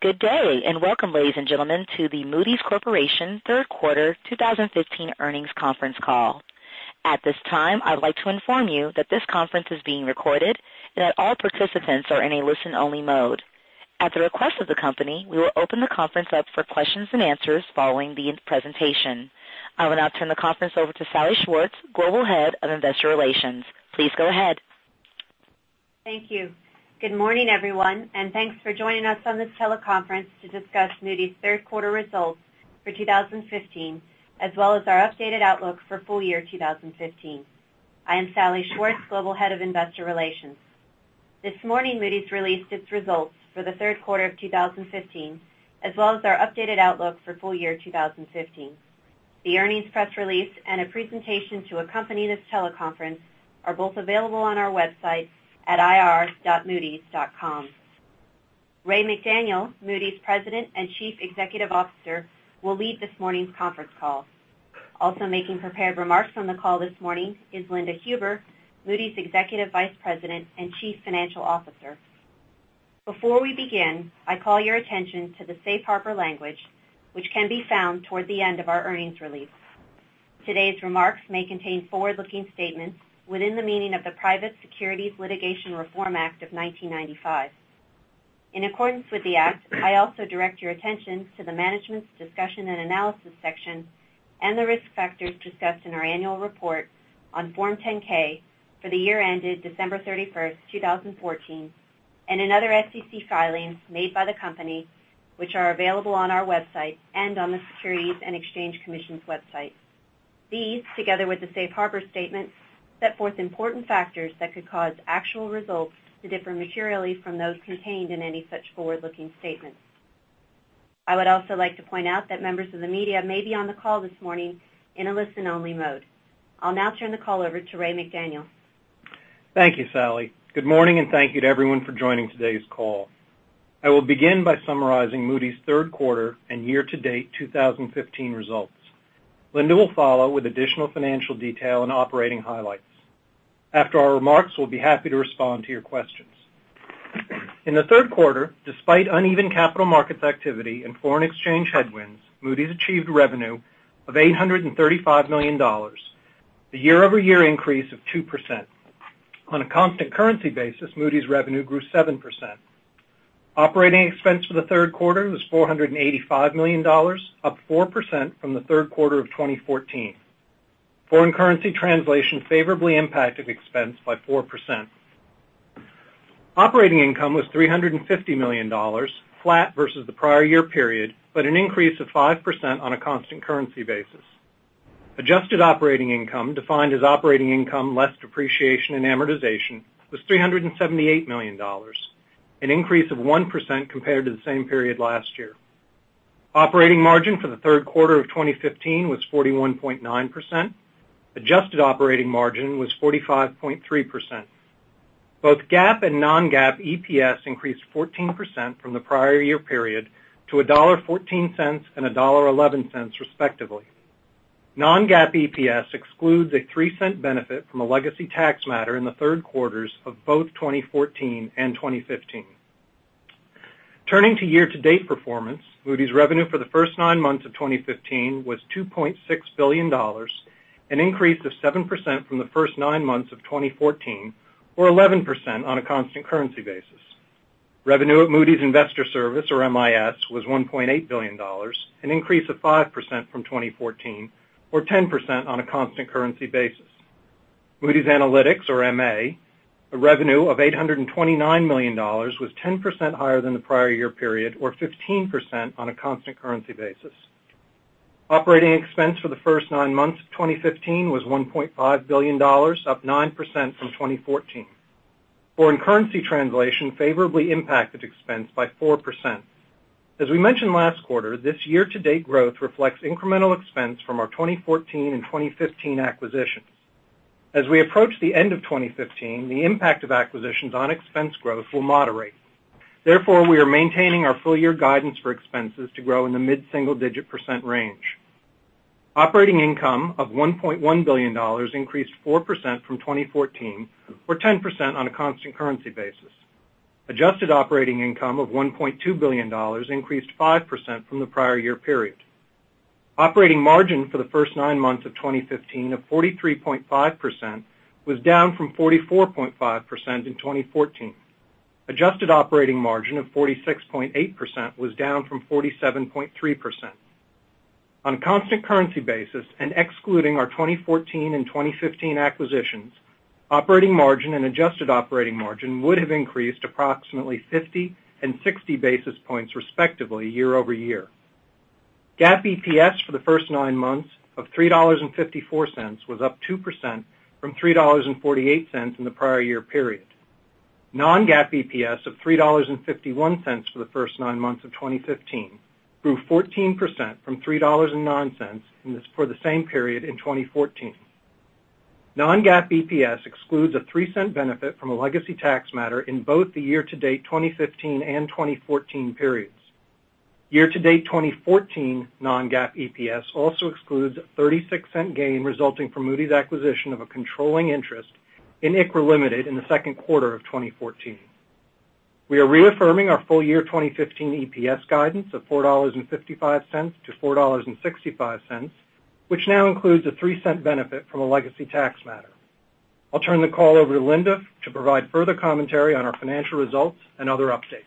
Good day, welcome, ladies and gentlemen, to the Moody's Corporation third quarter 2015 earnings conference call. At this time, I'd like to inform you that this conference is being recorded and that all participants are in a listen-only mode. At the request of the company, we will open the conference up for questions and answers following the presentation. I will now turn the conference over to Salli Schwartz, Global Head of Investor Relations. Please go ahead. Thank you. Good morning, everyone, thanks for joining us on this teleconference to discuss Moody's third quarter results for 2015, as well as our updated outlook for full year 2015. I am Salli Schwartz, Global Head of Investor Relations. This morning, Moody's released its results for the third quarter of 2015, as well as our updated outlook for full year 2015. The earnings press release and a presentation to accompany this teleconference are both available on our website at ir.moodys.com. Raymond McDaniel, Moody's President and Chief Executive Officer, will lead this morning's conference call. Also making prepared remarks on the call this morning is Linda Huber, Moody's Executive Vice President and Chief Financial Officer. Before we begin, I call your attention to the Safe Harbor language, which can be found toward the end of our earnings release. Today's remarks may contain forward-looking statements within the meaning of the Private Securities Litigation Reform Act of 1995. In accordance with the act, I also direct your attention to the Management's Discussion and Analysis section and the risk factors discussed in our annual report on Form 10-K for the year ended December 31st, 2014, and in other SEC filings made by the company, which are available on our website and on the Securities and Exchange Commission's website. These, together with the Safe Harbor statement, set forth important factors that could cause actual results to differ materially from those contained in any such forward-looking statements. I would also like to point out that members of the media may be on the call this morning in a listen-only mode. I'll now turn the call over to Raymond McDaniel. Thank you, Salli. Good morning, thank you to everyone for joining today's call. I will begin by summarizing Moody's third quarter and year-to-date 2015 results. Linda will follow with additional financial detail and operating highlights. After our remarks, we'll be happy to respond to your questions. In the third quarter, despite uneven capital markets activity and foreign exchange headwinds, Moody's achieved revenue of $835 million, a year-over-year increase of 2%. On a constant currency basis, Moody's revenue grew 7%. Operating expense for the third quarter was $485 million, up 4% from the third quarter of 2014. Foreign currency translation favorably impacted expense by 4%. Operating income was $350 million, flat versus the prior year period, but an increase of 5% on a constant currency basis. Adjusted operating income, defined as operating income less depreciation and amortization, was $378 million, an increase of 1% compared to the same period last year. Operating margin for the third quarter of 2015 was 41.9%. Adjusted operating margin was 45.3%. Both GAAP and non-GAAP EPS increased 14% from the prior year period to $1.14 and $1.11 respectively. Non-GAAP EPS excludes a $0.03 benefit from a legacy tax matter in the third quarters of both 2014 and 2015. Turning to year-to-date performance, Moody's revenue for the first nine months of 2015 was $2.6 billion, an increase of 7% from the first nine months of 2014, or 11% on a constant currency basis. Revenue at Moody's Investors Service, or MIS, was $1.8 billion, an increase of 5% from 2014, or 10% on a constant currency basis. Moody's Analytics, or MA, a revenue of $829 million, was 10% higher than the prior year period, or 15% on a constant currency basis. Operating expense for the first nine months of 2015 was $1.5 billion, up 9% from 2014. Foreign currency translation favorably impacted expense by 4%. As we mentioned last quarter, this year-to-date growth reflects incremental expense from our 2014 and 2015 acquisitions. As we approach the end of 2015, the impact of acquisitions on expense growth will moderate. We are maintaining our full year guidance for expenses to grow in the mid-single digit percent range. Operating income of $1.1 billion increased 4% from 2014, or 10% on a constant currency basis. Adjusted operating income of $1.2 billion increased 5% from the prior year period. Operating margin for the first nine months of 2015 of 43.5% was down from 44.5% in 2014. Adjusted operating margin of 46.8% was down from 47.3%. On a constant currency basis and excluding our 2014 and 2015 acquisitions, operating margin and adjusted operating margin would have increased approximately 50 and 60 basis points respectively year-over-year. GAAP EPS for the first nine months of $3.54 was up 2% from $3.48 in the prior year period. Non-GAAP EPS of $3.51 for the first nine months of 2015 grew 14% from $3.09 for the same period in 2014. Non-GAAP EPS excludes a $0.03 benefit from a legacy tax matter in both the year-to-date 2015 and 2014 periods. Year-to-date 2014 non-GAAP EPS also excludes a $0.36 gain resulting from Moody's acquisition of a controlling interest in ICRA Limited in the second quarter of 2014. We are reaffirming our full year 2015 EPS guidance of $4.55-$4.65, which now includes a $0.03 benefit from a legacy tax matter. I'll turn the call over to Linda to provide further commentary on our financial results and other updates.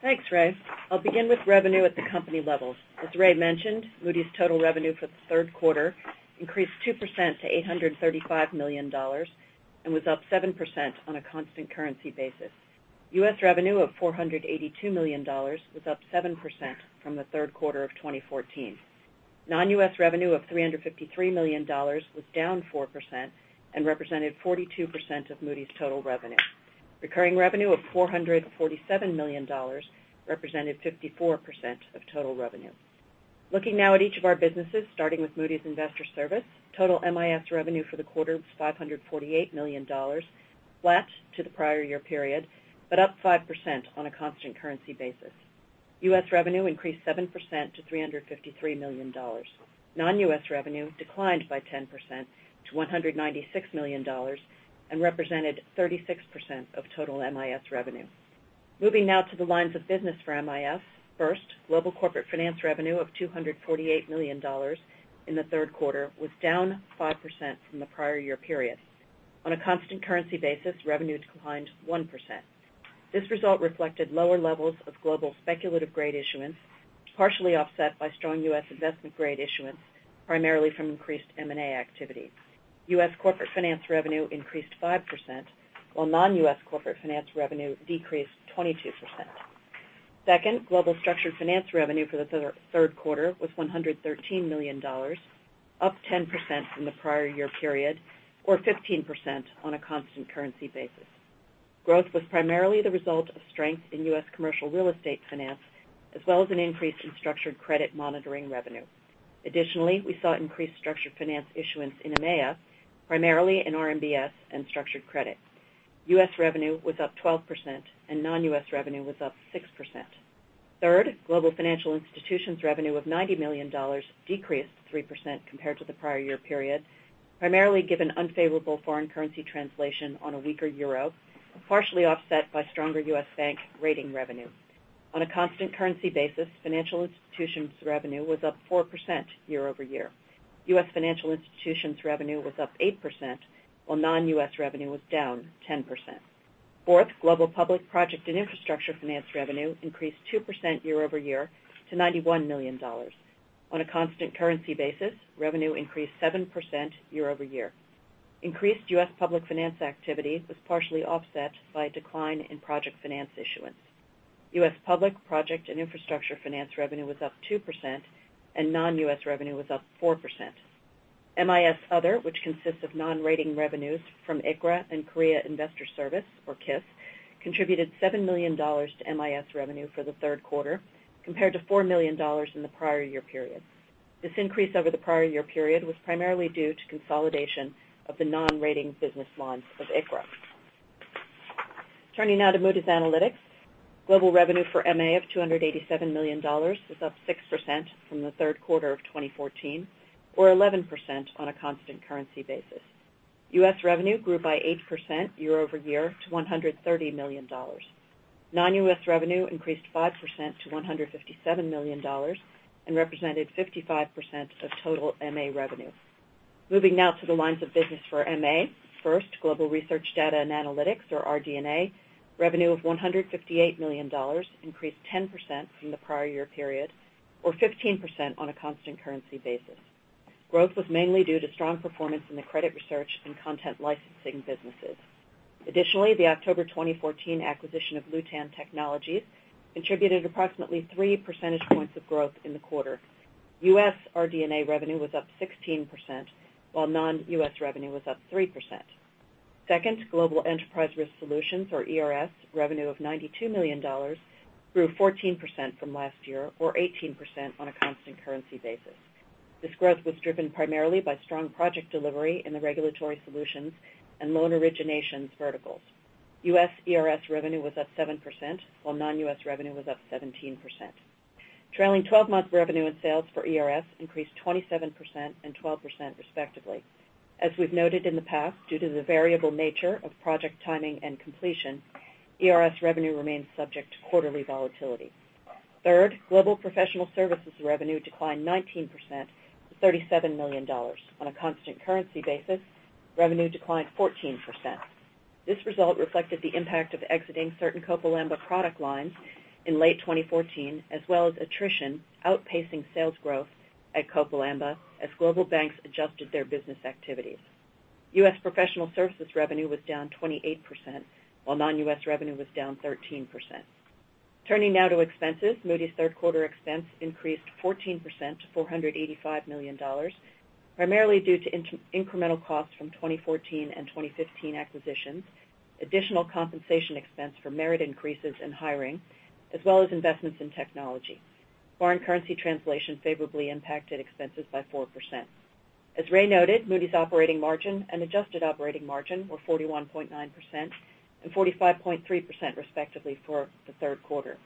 Thanks, Ray. I'll begin with revenue at the company levels. As Ray mentioned, Moody's total revenue for the third quarter increased 2% to $835 million and was up 7% on a constant currency basis. U.S. revenue of $482 million was up 7% from the third quarter of 2014. Non-U.S. revenue of $353 million was down 4% and represented 42% of Moody's total revenue. Recurring revenue of $447 million represented 54% of total revenue. Looking now at each of our businesses, starting with Moody's Investors Service, total MIS revenue for the quarter was $548 million, flat to the prior year period, but up 5% on a constant currency basis. U.S. revenue increased 7% to $353 million. Non-U.S. revenue declined by 10% to $196 million and represented 36% of total MIS revenue. Moving now to the lines of business for MIS. First, global corporate finance revenue of $248 million in the third quarter was down 5% from the prior year period. On a constant currency basis, revenue declined 1%. This result reflected lower levels of global speculative grade issuance, partially offset by strong U.S. investment grade issuance, primarily from increased M&A activity. U.S. corporate finance revenue increased 5%, while non-U.S. corporate finance revenue decreased 22%. Second, global structured finance revenue for the third quarter was $113 million, up 10% from the prior year period or 15% on a constant currency basis. Growth was primarily the result of strength in U.S. commercial real estate finance, as well as an increase in structured credit monitoring revenue. Additionally, we saw increased structured finance issuance in EMEA, primarily in RMBS and structured credit. U.S. revenue was up 12% and non-U.S. revenue was up 6%. Third, global financial institutions revenue of $90 million decreased 3% compared to the prior year period, primarily given unfavorable foreign currency translation on a weaker euro, partially offset by stronger U.S. bank rating revenue. On a constant currency basis, financial institutions revenue was up 4% year-over-year. U.S. financial institutions revenue was up 8%, while non-U.S. revenue was down 10%. Fourth, global public project and infrastructure finance revenue increased 2% year-over-year to $91 million. On a constant currency basis, revenue increased 7% year-over-year. Increased U.S. public finance activity was partially offset by a decline in project finance issuance. U.S. public project and infrastructure finance revenue was up 2%, and non-U.S. revenue was up 4%. MIS other, which consists of non-rating revenues from ICRA and Korea Investor Service, or KIS, contributed $7 million to MIS revenue for the third quarter, compared to $4 million in the prior year period. This increase over the prior year period was primarily due to consolidation of the non-rating business lines of ICRA. Turning now to Moody's Analytics. Global revenue for MA of $287 million was up 6% from the third quarter of 2014, or 11% on a constant currency basis. U.S. revenue grew by 8% year-over-year to $130 million. Non-U.S. revenue increased 5% to $157 million and represented 55% of total MA revenue. Moving now to the lines of business for MA. First, global research data & analytics, or RD&A, revenue of $158 million increased 10% from the prior year period, or 15% on a constant currency basis. Growth was mainly due to strong performance in the credit research and content licensing businesses. Additionally, the October 2014 acquisition of Lewtan Technologies contributed approximately three percentage points of growth in the quarter. U.S. RD&A revenue was up 16%, while non-U.S. revenue was up 3%. Second, global Enterprise Risk Solutions, or ERS, revenue of $92 million grew 14% from last year, or 18% on a constant currency basis. This growth was driven primarily by strong project delivery in the regulatory solutions and loan originations verticals. U.S. ERS revenue was up 7%, while non-U.S. revenue was up 17%. Trailing 12-month revenue and sales for ERS increased 27% and 12%, respectively. As we've noted in the past, due to the variable nature of project timing and completion, ERS revenue remains subject to quarterly volatility. Third, global professional services revenue declined 19% to $37 million. On a constant currency basis, revenue declined 14%. This result reflected the impact of exiting certain Copal Amba product lines in late 2014, as well as attrition outpacing sales growth at Copal Amba as global banks adjusted their business activities. U.S. professional services revenue was down 28%, while non-U.S. revenue was down 13%. Turning now to expenses. Moody's third quarter expense increased 14% to $485 million, primarily due to incremental costs from 2014 and 2015 acquisitions, additional compensation expense for merit increases and hiring, as well as investments in technology. Foreign currency translation favorably impacted expenses by 4%. As Ray noted, Moody's operating margin and adjusted operating margin were 41.9% and 45.3%, respectively, for the third quarter.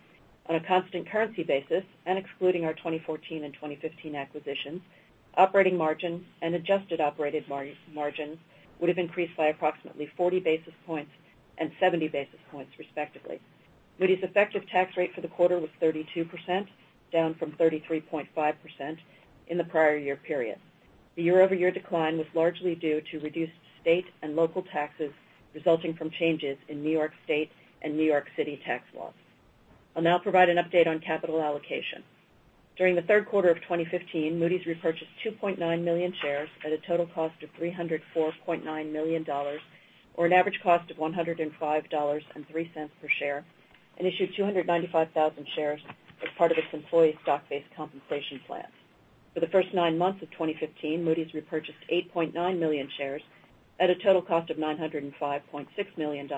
On a constant currency basis, and excluding our 2014 and 2015 acquisitions, operating margin and adjusted operating margin would have increased by approximately 40 basis points and 70 basis points, respectively. Moody's effective tax rate for the quarter was 32%, down from 33.5% in the prior year period. The year-over-year decline was largely due to reduced state and local taxes resulting from changes in New York State and New York City tax laws. I'll now provide an update on capital allocation. During the third quarter of 2015, Moody's repurchased 2.9 million shares at a total cost of $304.9 million, or an average cost of $105.03 per share, and issued 295,000 shares as part of its employee stock-based compensation plan. For the first nine months of 2015, Moody's repurchased 8.9 million shares at a total cost of $905.6 million,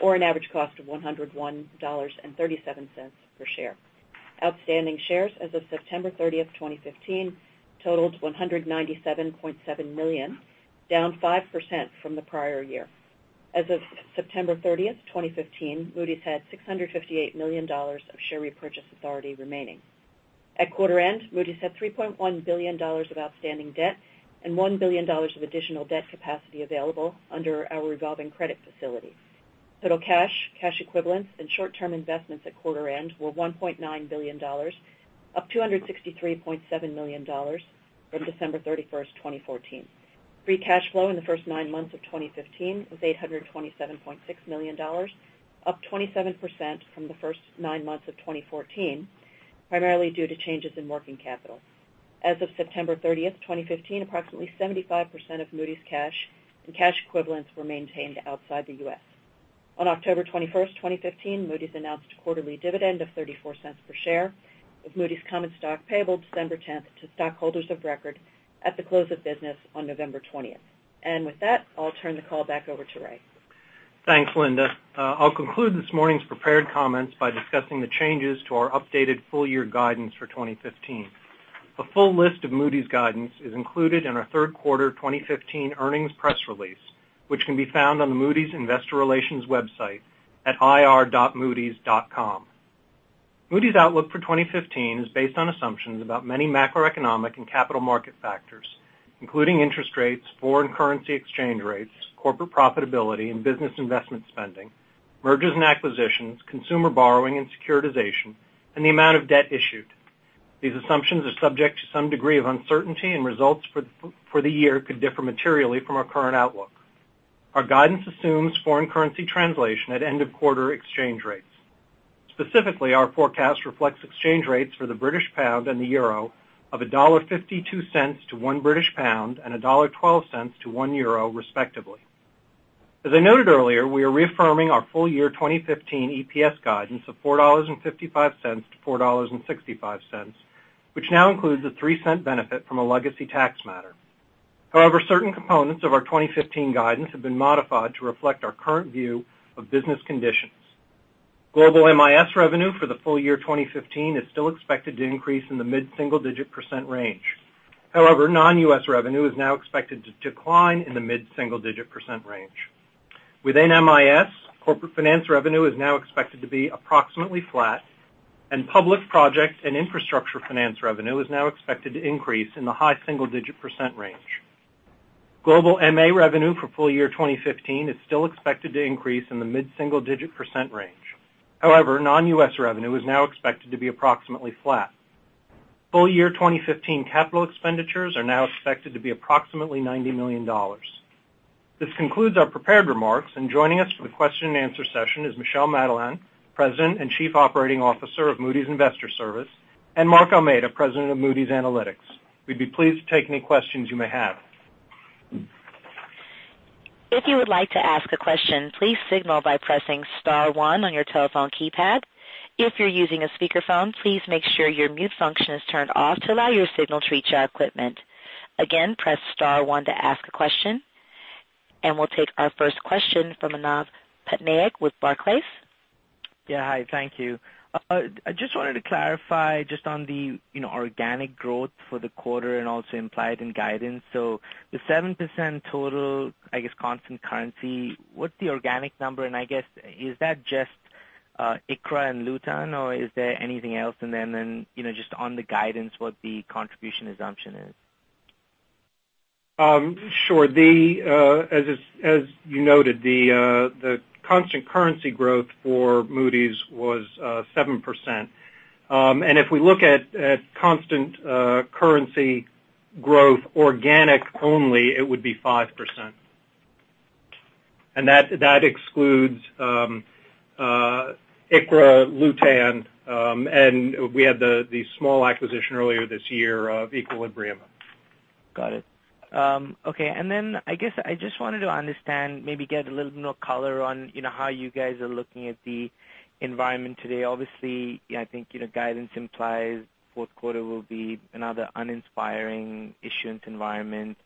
or an average cost of $101.37 per share. Outstanding shares as of September 30th, 2015 totaled 197.7 million, down 5% from the prior year. As of September 30th, 2015, Moody's had $658 million of share repurchase authority remaining. At quarter end, Moody's had $3.1 billion of outstanding debt and $1 billion of additional debt capacity available under our revolving credit facility. Total cash equivalents, and short-term investments at quarter end were $1.9 billion, up $263.7 million from December 31st, 2014. Free cash flow in the first nine months of 2015 was $827.6 million, up 27% from the first nine months of 2014, primarily due to changes in working capital. As of September 30th, 2015, approximately 75% of Moody's cash and cash equivalents were maintained outside the U.S. On October 21st, 2015, Moody's announced a quarterly dividend of $0.34 per share of Moody's common stock payable December 10th to stockholders of record at the close of business on November 20th. With that, I'll turn the call back over to Ray. Thanks, Linda. I'll conclude this morning's prepared comments by discussing the changes to our updated full-year guidance for 2015. A full list of Moody's guidance is included in our third quarter 2015 earnings press release, which can be found on the Moody's Investor Relations website at ir.moodys.com. Moody's outlook for 2015 is based on assumptions about many macroeconomic and capital market factors, including interest rates, foreign currency exchange rates, corporate profitability, and business investment spending, mergers and acquisitions, consumer borrowing and securitization, and the amount of debt issued. These assumptions are subject to some degree of uncertainty, and results for the year could differ materially from our current outlook. Our guidance assumes foreign currency translation at end-of-quarter exchange rates. Specifically, our forecast reflects exchange rates for the British pound and the euro of $1.52 to 1 British pound British, and $1.12 to 1 euro, respectively. As I noted earlier, we are reaffirming our full-year 2015 EPS guidance of $4.55 to $4.65, which now includes a $0.03 benefit from a legacy tax matter. However, certain components of our 2015 guidance have been modified to reflect our current view of business conditions. Global MIS revenue for the full-year 2015 is still expected to increase in the mid-single-digit % range. However, non-U.S. revenue is now expected to decline in the mid-single-digit % range. Within MIS, corporate finance revenue is now expected to be approximately flat, and public projects and infrastructure finance revenue is now expected to increase in the high single-digit % range. Global MA revenue for full-year 2015 is still expected to increase in the mid-single-digit % range. However, non-U.S. revenue is now expected to be approximately flat. Full-year 2015 capital expenditures are now expected to be approximately $90 million. This concludes our prepared remarks. Joining us for the question and answer session is Michel Madelain, President and Chief Operating Officer of Moody's Investor Service, and Mark Almeida, President of Moody's Analytics. We'd be pleased to take any questions you may have. If you would like to ask a question, please signal by pressing *1 on your telephone keypad. If you're using a speakerphone, please make sure your mute function is turned off to allow your signal to reach our equipment. Again, press *1 to ask a question. We'll take our first question from Manav Patnaik with Barclays. Hi, thank you. I just wanted to clarify just on the organic growth for the quarter and also implied in guidance. The 7% total, I guess constant currency, what's the organic number? I guess, is that just ICRA and Lewtan, or is there anything else? Just on the guidance, what the contribution assumption is. Sure. As you noted, the constant currency growth for Moody's was 7%. If we look at constant currency growth organic only, it would be 5%. That excludes ICRA, Lewtan, and we had the small acquisition earlier this year of Equilibrium. Got it. Okay. I guess I just wanted to understand, maybe get a little more color on how you guys are looking at the environment today. Obviously, I think guidance implies fourth quarter will be another uninspiring issuance environment.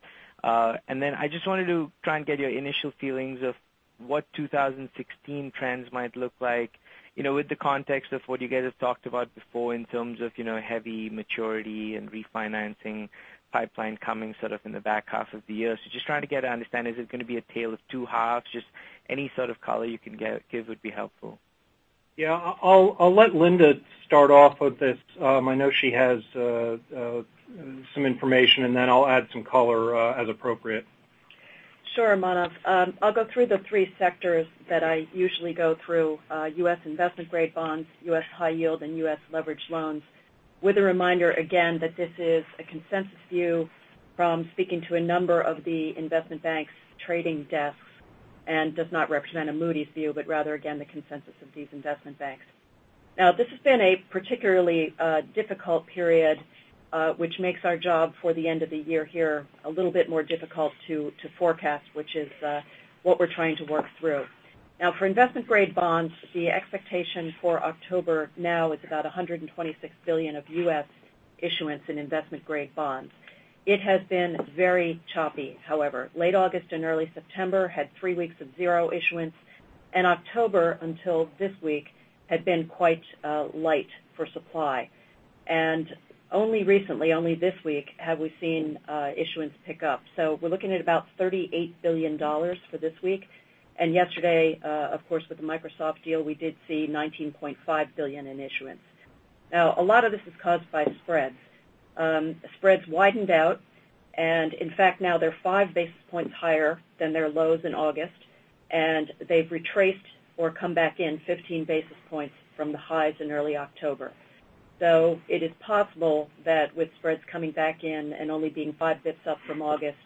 I just wanted to try and get your initial feelings of what 2016 trends might look like, with the context of what you guys have talked about before in terms of heavy maturity and refinancing pipeline coming sort of in the back half of the year. Just trying to get an understanding, is it going to be a tale of two halves? Just any sort of color you can give would be helpful. Yeah. I'll let Linda start off with this. I know she has some information, I'll add some color as appropriate. Sure, Manav. I'll go through the 3 sectors that I usually go through, U.S. investment grade bonds, U.S. high yield, and U.S. leverage loans, with a reminder, again, that this is a consensus view from speaking to a number of the investment banks' trading desks and does not represent a Moody's view, but rather, again, the consensus of these investment banks. This has been a particularly difficult period, which makes our job for the end of the year here a little bit more difficult to forecast, which is what we're trying to work through. For investment grade bonds, the expectation for October now is about $126 billion of U.S. issuance in investment grade bonds. It has been very choppy, however. Late August and early September had 3 weeks of zero issuance, and October, until this week, had been quite light for supply. Only recently, only this week, have we seen issuance pick up. We're looking at about $38 billion for this week. Yesterday, of course, with the Microsoft deal, we did see $19.5 billion in issuance. A lot of this is caused by spreads. Spreads widened out, and in fact, now they're 5 basis points higher than their lows in August, and they've retraced or come back in 15 basis points from the highs in early October. It is possible that with spreads coming back in and only being 5 bips up from August,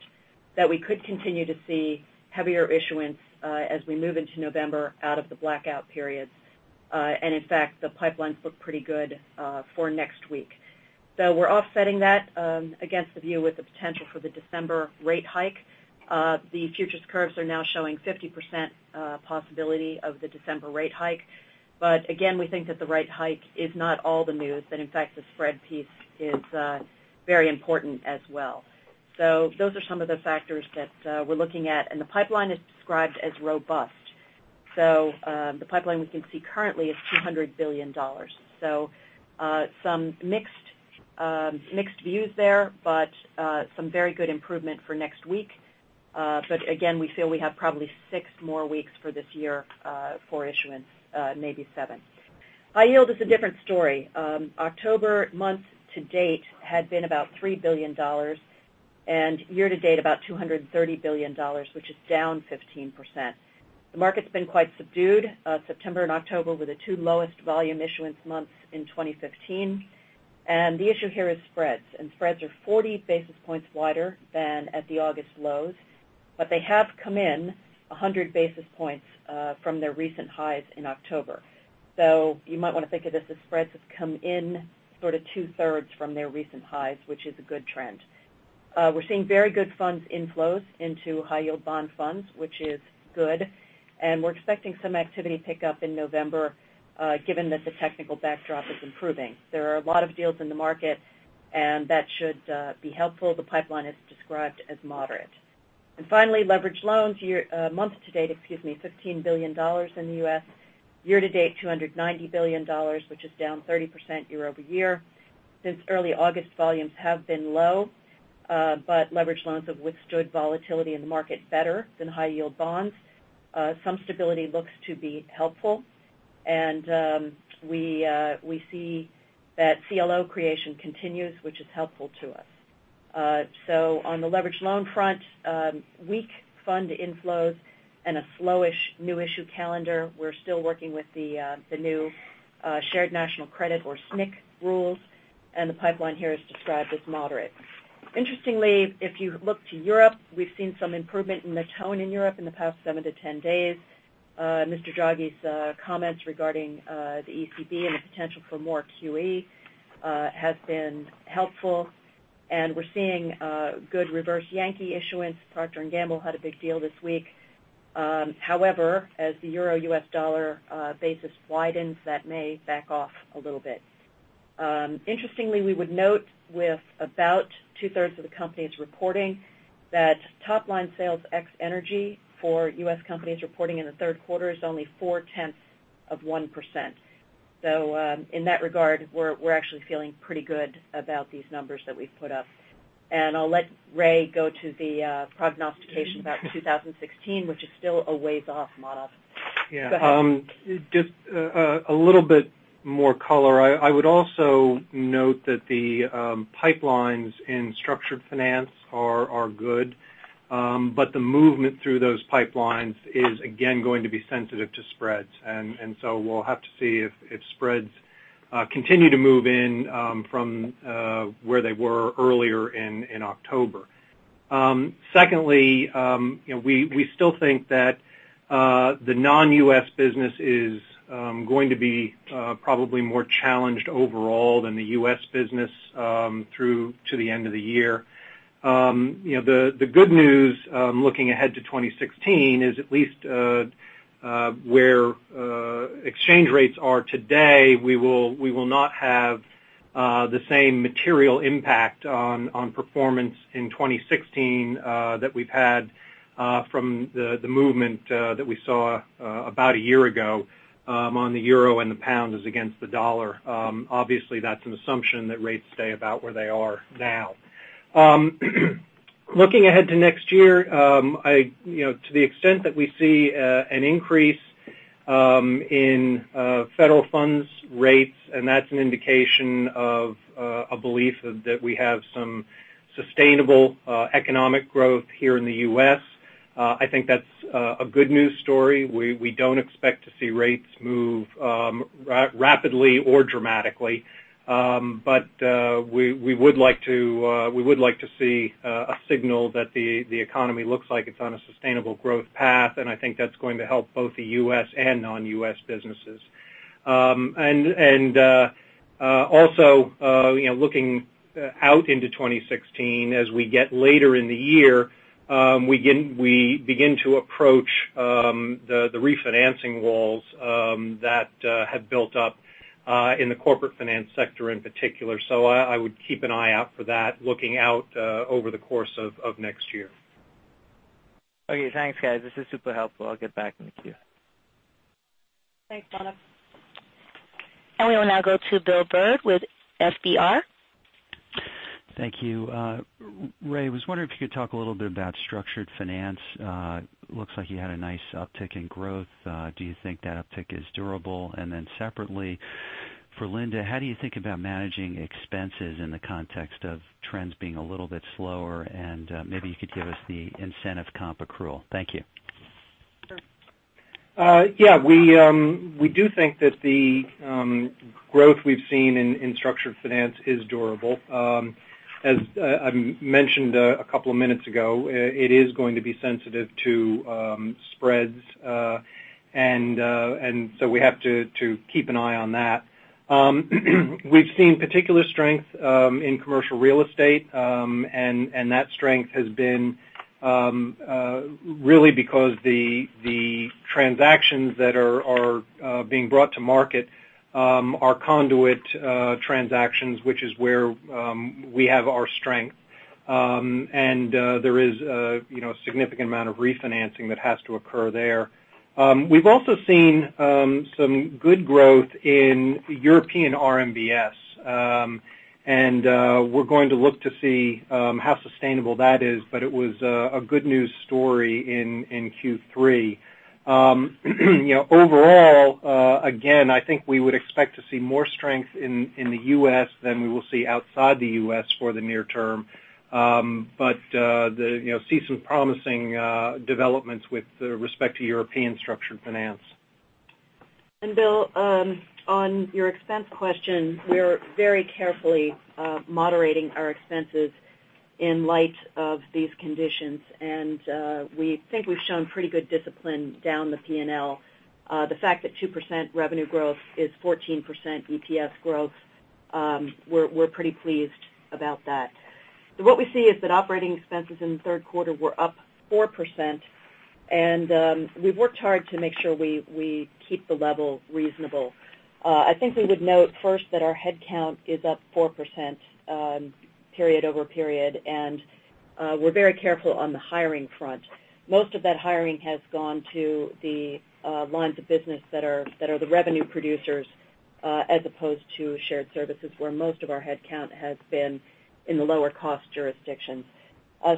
that we could continue to see heavier issuance as we move into November out of the blackout period. In fact, the pipelines look pretty good for next week. We're offsetting that against the view with the potential for the December rate hike. The futures curves are now showing 50% possibility of the December rate hike. Again, we think that the rate hike is not all the news, that in fact, the spread piece is very important as well. Those are some of the factors that we're looking at, and the pipeline is described as robust. The pipeline we can see currently is $200 billion. Some mixed views there, but some very good improvement for next week. Again, we feel we have probably 6 more weeks for this year for issuance, maybe 7. High yield is a different story. October month-to-date had been about $3 billion, and year-to-date about $230 billion, which is down 15%. The market's been quite subdued. September and October were the 2 lowest volume issuance months in 2015. The issue here is spreads. Spreads are 40 basis points wider than at the August lows, but they have come in 100 basis points from their recent highs in October. You might want to think of this as spreads have come in sort of two-thirds from their recent highs, which is a good trend. We're seeing very good funds inflows into high yield bond funds, which is good, and we're expecting some activity pick up in November, given that the technical backdrop is improving. There are a lot of deals in the market, and that should be helpful. The pipeline is described as moderate. Finally, leverage loans. Month-to-date, excuse me, $15 billion in the U.S. Year-to-date, $290 billion, which is down 30% year-over-year. Since early August, volumes have been low, but leverage loans have withstood volatility in the market better than high yield bonds. Some stability looks to be helpful. We see that CLO creation continues, which is helpful to us. On the leverage loan front, weak fund inflows and a slow-ish new issue calendar. We're still working with the new Shared National Credit, or SNC rules, and the pipeline here is described as moderate. Interestingly, if you look to Europe, we've seen some improvement in the tone in Europe in the past seven to 10 days. Mr. Draghi's comments regarding the ECB and the potential for more QE has been helpful, and we're seeing good reverse Yankee issuance. Procter & Gamble had a big deal this week. However, as the EUR/U.S. dollar basis widens, that may back off a little bit. Interestingly, we would note with about two-thirds of the companies reporting that top-line sales ex-energy for U.S. companies reporting in the third quarter is only four-tenths of 1%. In that regard, we're actually feeling pretty good about these numbers that we've put up. I'll let Ray go to the prognostication about 2016, which is still a ways off, Manav. Yeah. Go ahead. Just a little bit more color. I would also note that the pipelines in structured finance are good. The movement through those pipelines is again going to be sensitive to spreads. We'll have to see if spreads continue to move in from where they were earlier in October. Secondly, we still think that the non-U.S. business is going to be probably more challenged overall than the U.S. business through to the end of the year. The good news- looking ahead to 2016 is at least where exchange rates are today, we will not have the same material impact on performance in 2016 that we've had from the movement that we saw about a year ago on the EUR and the GBP as against the U.S. dollar. Obviously, that's an assumption that rates stay about where they are now. Looking ahead to next year, to the extent that we see an increase in federal funds rates, that's an indication of a belief that we have some sustainable economic growth here in the U.S. I think that's a good news story. We don't expect to see rates move rapidly or dramatically. We would like to see a signal that the economy looks like it's on a sustainable growth path, I think that's going to help both the U.S. and non-U.S. businesses. Also looking out into 2016, as we get later in the year, we begin to approach the refinancing walls that have built up in the corporate finance sector in particular. I would keep an eye out for that, looking out over the course of next year. Okay, thanks, guys. This is super helpful. I'll get back in the queue. Thanks, Donna. We will now go to Bill Byrd with FDR. Thank you. Ray, I was wondering if you could talk a little bit about structured finance. Looks like you had a nice uptick in growth. Do you think that uptick is durable? Separately, for Linda, how do you think about managing expenses in the context of trends being a little bit slower? Maybe you could give us the incentive comp accrual. Thank you. Sure. Yeah, we do think that the growth we've seen in structured finance is durable. As I mentioned a couple of minutes ago, it is going to be sensitive to spreads. We have to keep an eye on that. We've seen particular strength in commercial real estate, that strength has been really because the transactions that are being brought to market are conduit transactions, which is where we have our strength. There is a significant amount of refinancing that has to occur there. We've also seen some good growth in European RMBS. We're going to look to see how sustainable that is, but it was a good news story in Q3. Overall, again, I think we would expect to see more strength in the U.S. than we will see outside the U.S. for the near term. See some promising developments with respect to European structured finance. Bill, on your expense question, we're very carefully moderating our expenses in light of these conditions. We think we've shown pretty good discipline down the P&L. The fact that 2% revenue growth is 14% EPS growth, we're pretty pleased about that. What we see is that operating expenses in the third quarter were up 4%, we've worked hard to make sure we keep the level reasonable. I think we would note first that our headcount is up 4% period over period, we're very careful on the hiring front. Most of that hiring has gone to the lines of business that are the revenue producers as opposed to shared services, where most of our headcount has been in the lower cost jurisdictions.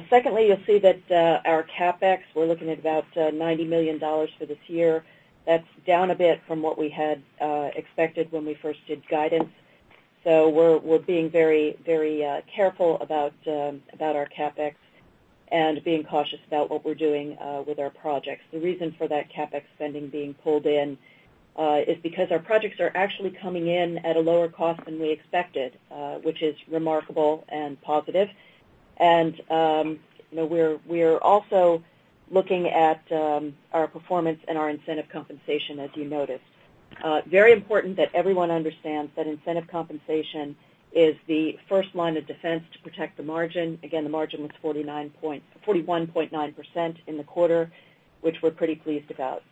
Secondly, you'll see that our CapEx, we're looking at about $90 million for this year. That's down a bit from what we had expected when we first did guidance. We're being very careful about our CapEx and being cautious about what we're doing with our projects. The reason for that CapEx spending being pulled in is because our projects are actually coming in at a lower cost than we expected, which is remarkable and positive. We're also looking at our performance and our incentive compensation, as you noticed. It is very important that everyone understands that incentive compensation is the first line of defense to protect the margin. The margin was 41.9% in the quarter, which we're pretty pleased about.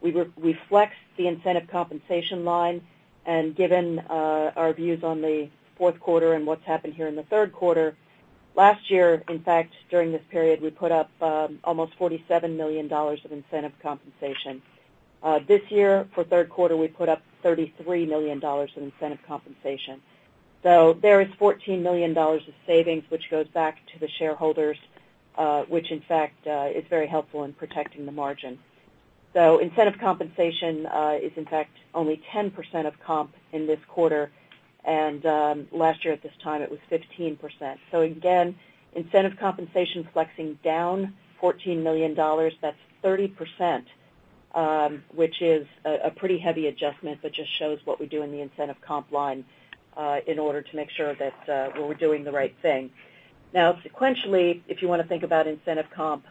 We flex the incentive compensation line, given our views on the fourth quarter and what's happened here in the third quarter. Last year, in fact, during this period, we put up almost $47 million of incentive compensation. This year, for third quarter, we put up $33 million in incentive compensation. There is $14 million of savings, which goes back to the shareholders, which in fact, is very helpful in protecting the margin. Incentive compensation is in fact only 10% of comp in this quarter, and last year at this time it was 15%. Again, incentive compensation flexing down $14 million. That's 30%, which is a pretty heavy adjustment, but just shows what we do in the incentive comp line in order to make sure that we're doing the right thing. Sequentially, if you want to think about incentive comp,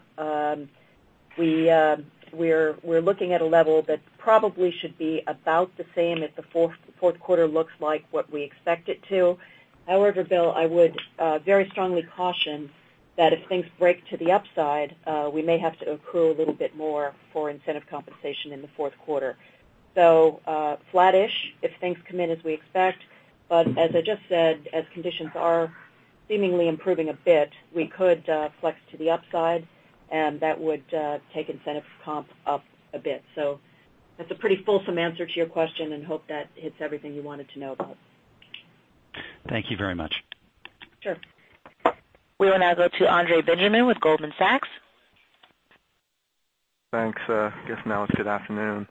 we're looking at a level that probably should be about the same if the fourth quarter looks like what we expect it to. Bill, I would very strongly caution that if things break to the upside, we may have to accrue a little bit more for incentive compensation in the fourth quarter. Flat-ish if things come in as we expect. As I just said, as conditions are seemingly improving a bit, we could flex to the upside, and that would take incentive comp up a bit. That's a pretty fulsome answer to your question, and I hope that hits everything you wanted to know about. Thank you very much. Sure. We will now go to Andre Benjamin with Goldman Sachs. Thanks. I guess now it's good afternoon.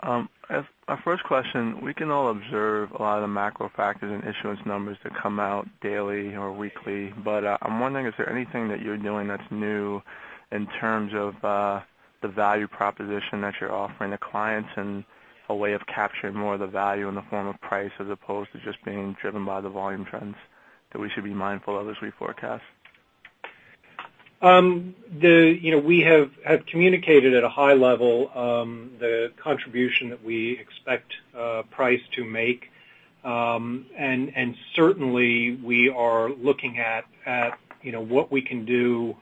Our first question, we can all observe a lot of the macro factors and issuance numbers that come out daily or weekly, but I'm wondering, is there anything that you're doing that's new in terms of the value proposition that you're offering to clients and a way of capturing more of the value in the form of price as opposed to just being driven by the volume trends that we should be mindful of as we forecast? We have communicated at a high level the contribution that we expect price to make. Certainly, we are looking at what we can do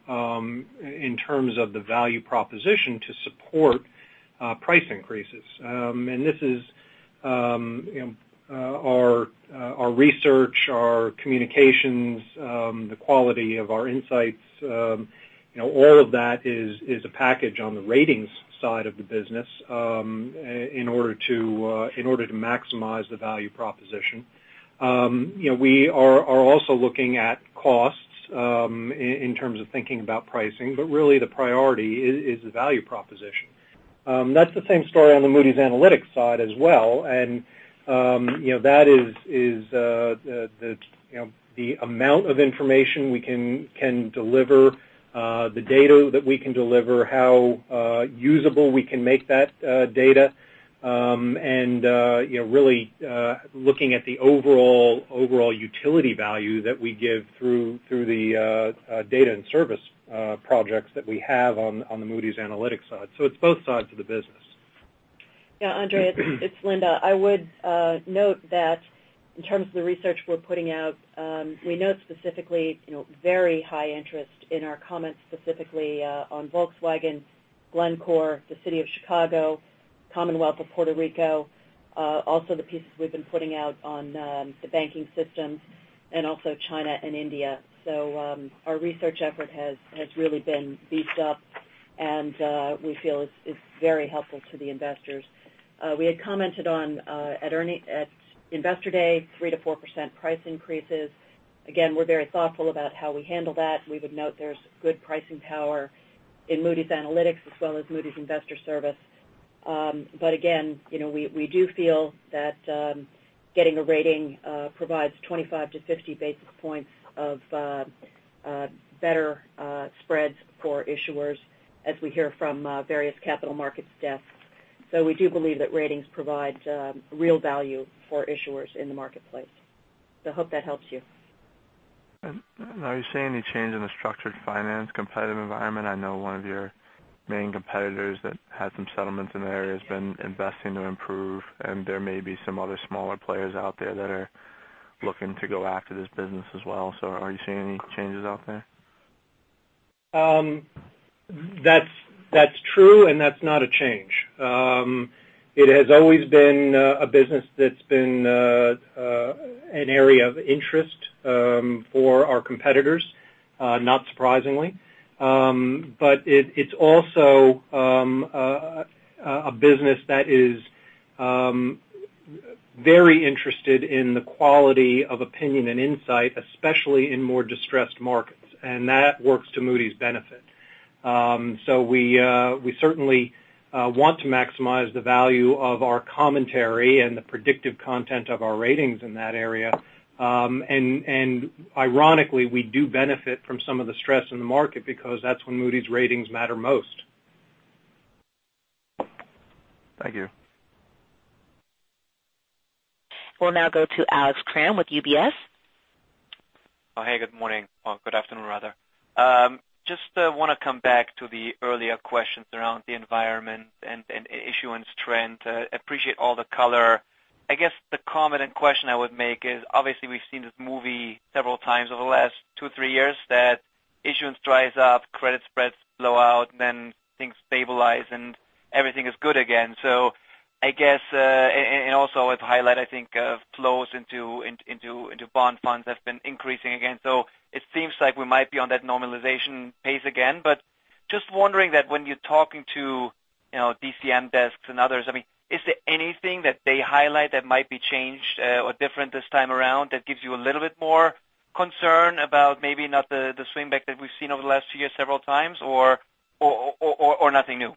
in terms of the value proposition to support price increases. This is our research, our communications, the quality of our insights. All of that is a package on the ratings side of the business in order to maximize the value proposition. We are also looking at costs in terms of thinking about pricing. Really the priority is the value proposition. That's the same story on the Moody's Analytics side as well. That is the amount of information we can deliver, the data that we can deliver, how usable we can make that data, and really looking at the overall utility value that we give through the data and service projects that we have on the Moody's Analytics side. It's both sides of the business. Andre, it's Linda. I would note that in terms of the research we're putting out, we note specifically very high interest in our comments specifically on Volkswagen, Glencore, the city of Chicago, Commonwealth of Puerto Rico. Also the pieces we've been putting out on the banking system, and also China and India. Our research effort has really been beefed up, and we feel it's very helpful to the investors. We had commented at Investor Day 3%-4% price increases. Again, we're very thoughtful about how we handle that. We would note there's good pricing power in Moody's Analytics as well as Moody's Investors Service. Again, we do feel that getting a rating provides 25-50 basis points of better spreads for issuers as we hear from various capital markets desks. We do believe that ratings provide real value for issuers in the marketplace. Hope that helps you. Are you seeing any change in the structured finance competitive environment? I know one of your main competitors that had some settlements in the area has been investing to improve, and there may be some other smaller players out there that are looking to go after this business as well. Are you seeing any changes out there? That's true, and that's not a change. It has always been a business that's been an area of interest for our competitors, not surprisingly. It's also a business that is very interested in the quality of opinion and insight, especially in more distressed markets. That works to Moody's benefit. We certainly want to maximize the value of our commentary and the predictive content of our ratings in that area. Ironically, we do benefit from some of the stress in the market because that's when Moody's ratings matter most. Thank you. We'll now go to Alex Kramm with UBS. Hey, good morning. Good afternoon, rather. Just want to come back to the earlier questions around the environment and issuance trend. Appreciate all the color. I guess the comment and question I would make is obviously we've seen this movie several times over the last two, three years that issuance dries up, credit spreads blow out, then things stabilize and everything is good again. Also as highlight, I think flows into bond funds have been increasing again. It seems like we might be on that normalization pace again. Just wondering that when you're talking to DCM desks and others, is there anything that they highlight that might be changed or different this time around that gives you a little bit more concern about maybe not the swing back that we've seen over the last few years several times or nothing new?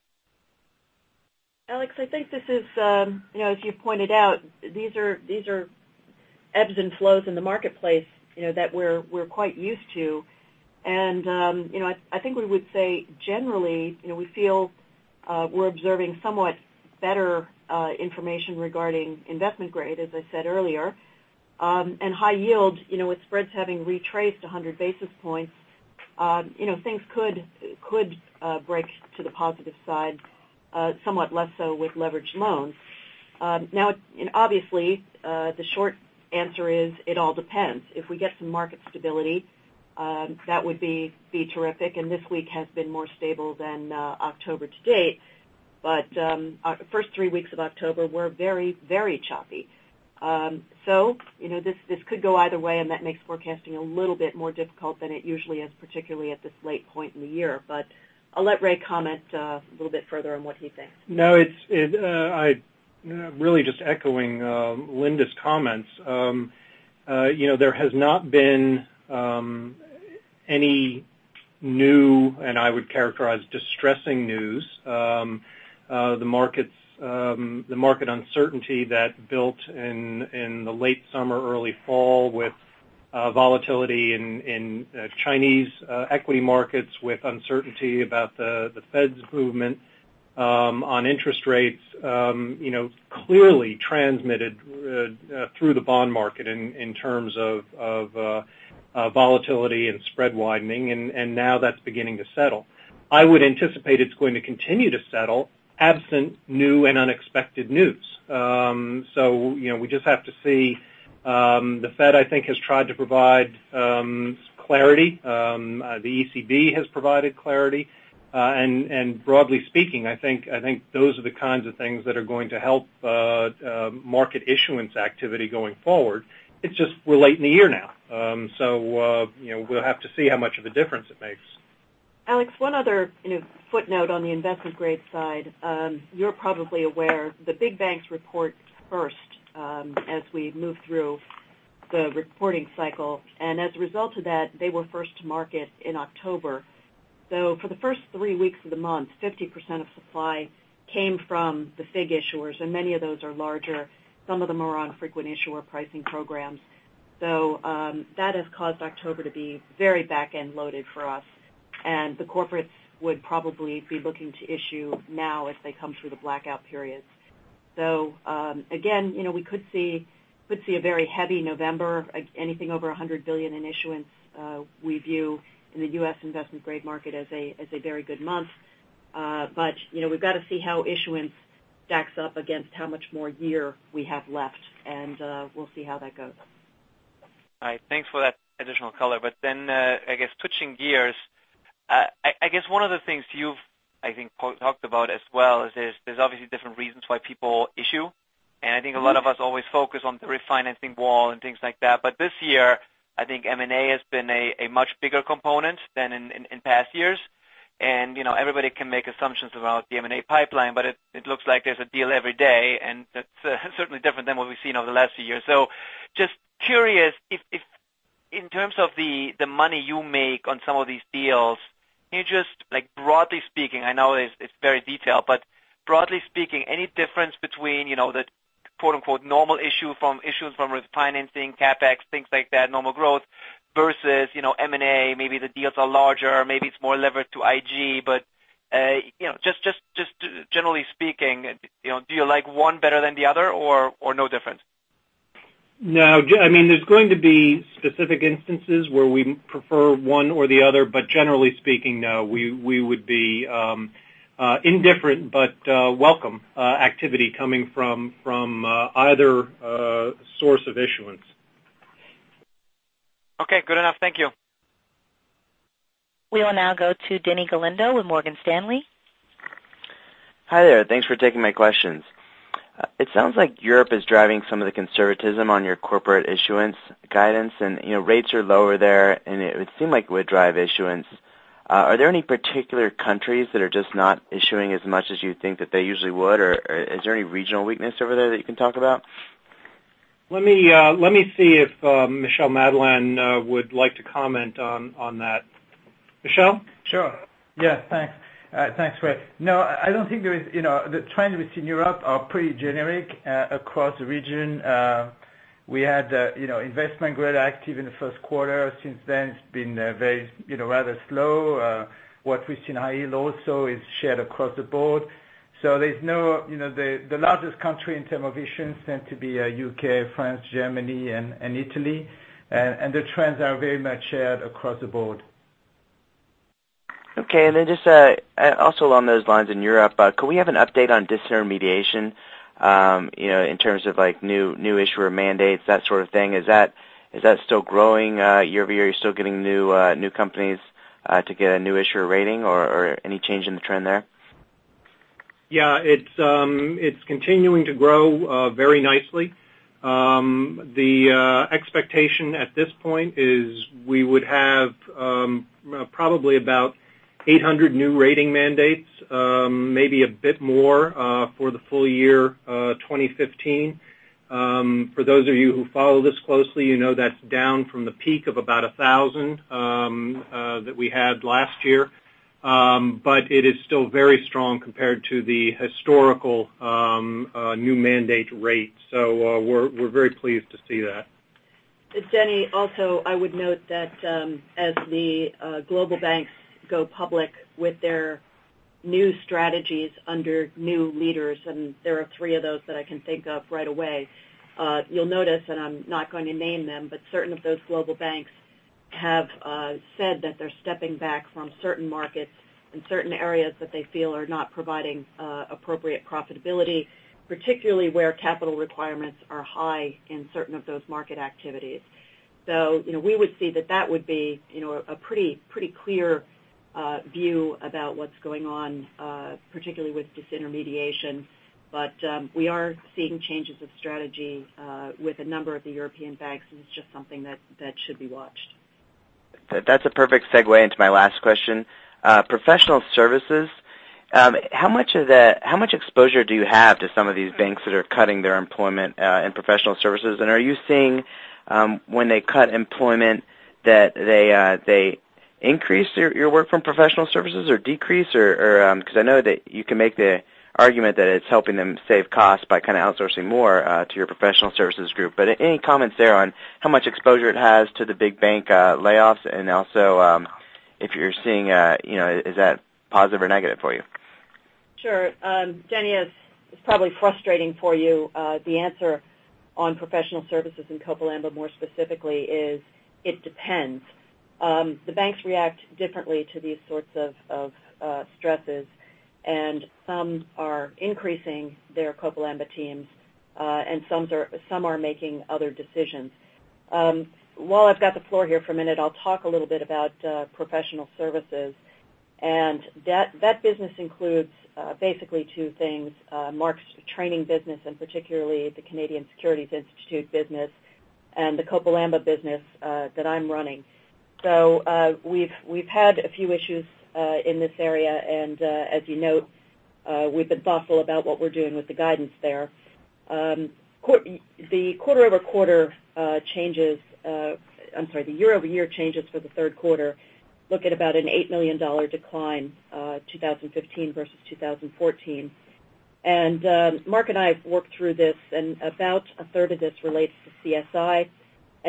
Alex, I think as you pointed out, these are ebbs and flows in the marketplace that we're quite used to. I think we would say generally, we feel we're observing somewhat better information regarding investment grade, as I said earlier. High yield, with spreads having retraced 100 basis points, things could break to the positive side, somewhat less so with leveraged loans. Obviously, the short answer is it all depends. If we get some market stability, that would be terrific, and this week has been more stable than October to date. The first three weeks of October were very choppy. This could go either way, and that makes forecasting a little bit more difficult than it usually is, particularly at this late point in the year. I'll let Ray comment a little bit further on what he thinks. No, I'm really just echoing Linda's comments. There has not been any new, and I would characterize, distressing news. The market uncertainty that built in the late summer, early fall with volatility in Chinese equity markets with uncertainty about the Fed's movement on interest rates clearly transmitted through the bond market in terms of volatility and spread widening, and now that's beginning to settle. I would anticipate it's going to continue to settle absent new and unexpected news. We just have to see. The Fed, I think, has tried to provide clarity. The ECB has provided clarity. Broadly speaking, I think those are the kinds of things that are going to help market issuance activity going forward. It's just we're late in the year now. We'll have to see how much of a difference it makes. Alex, one other footnote on the investment grade side. You're probably aware the big banks report first as we move through the reporting cycle. As a result of that, they were first to market in October. For the first three weeks of the month, 50% of supply came from the FIG issuers, and many of those are larger. Some of them are on frequent issuer pricing programs. That has caused October to be very back-end loaded for us. The corporates would probably be looking to issue now as they come through the blackout periods. Again, we could see a very heavy November. Anything over $100 billion in issuance we view in the U.S. investment grade market as a very good month. We've got to see how issuance stacks up against how much more year we have left, and we'll see how that goes. All right. Thanks for that additional color. Then, I guess switching gears, I guess one of the things you've, I think, talked about as well is there's obviously different reasons why people issue. I think a lot of us always focus on the refinancing wall and things like that. This year, I think M&A has been a much bigger component than in past years. Everybody can make assumptions about the M&A pipeline, but it looks like there's a deal every day, and that's certainly different than what we've seen over the last few years. Just curious if in terms of the money you make on some of these deals, can you just broadly speaking, I know it's very detailed, but broadly speaking, any difference between the quote-unquote "normal issue" from issues from refinancing, CapEx, things like that, normal growth versus M&A, maybe the deals are larger, maybe it's more levered to IG. Just generally speaking, do you like one better than the other or no difference? No. There's going to be specific instances where we prefer one or the other, but generally speaking, no. We would be indifferent, but welcome activity coming from either source of issuance. Okay, good enough. Thank you. We will now go to Denny Galindo with Morgan Stanley. Hi there. Thanks for taking my questions. It sounds like Europe is driving some of the conservatism on your corporate issuance guidance, and rates are lower there, and it would seem like it would drive issuance. Are there any particular countries that are just not issuing as much as you think that they usually would, or is there any regional weakness over there that you can talk about? Let me see if Michel Madelain would like to comment on that. Michel? Thanks, Ray. I don't think there is. The trends we see in Europe are pretty generic across the region. We had investment grade active in the first quarter. Since then, it's been rather slow. What we've seen high yield also is shared across the board. The largest country in terms of issuance tend to be U.K., France, Germany, and Italy. The trends are very much shared across the board. Okay. Just also along those lines in Europe, could we have an update on disintermediation in terms of new issuer mandates, that sort of thing? Is that still growing year-over-year? Are you still getting new companies to get a new issuer rating or any change in the trend there? It's continuing to grow very nicely. The expectation at this point is we would have probably about 800 new rating mandates, maybe a bit more for the full year 2015. For those of you who follow this closely, you know that's down from the peak of about 1,000 that we had last year. It is still very strong compared to the historical new mandate rate. We're very pleased to see that. Jenny, I would note that as the global banks go public with their new strategies under new leaders, and there are three of those that I can think of right away, you'll notice, and I'm not going to name them, but certain of those global banks have said that they're stepping back from certain markets and certain areas that they feel are not providing appropriate profitability, particularly where capital requirements are high in certain of those market activities. We would see that that would be a pretty clear view about what's going on, particularly with disintermediation. We are seeing changes of strategy with a number of the European banks, and it's just something that should be watched. That's a perfect segue into my last question. Professional services, how much exposure do you have to some of these banks that are cutting their employment and professional services? Are you seeing, when they cut employment, that they increase your work from professional services or decrease? Because I know that you can make the argument that it's helping them save costs by kind of outsourcing more to your professional services group. Any comments there on how much exposure it has to the big bank layoffs, and also if you're seeing, is that positive or negative for you? Sure. Jenny, it's probably frustrating for you the answer on professional services, and Copal Amba more specifically is, it depends. The banks react differently to these sorts of stresses, and some are increasing their Copal Amba teams, and some are making other decisions. While I've got the floor here for a minute, I'll talk a little bit about professional services. That business includes basically two things Mark's training business, and particularly the Canadian Securities Institute business, and the Copal Amba business that I'm running. We've had a few issues in this area, and as you note, we've been thoughtful about what we're doing with the guidance there. The year-over-year changes for the third quarter look at about an $8 million decline, 2015 versus 2014. Mark and I have worked through this, and about a third of this relates to CSI.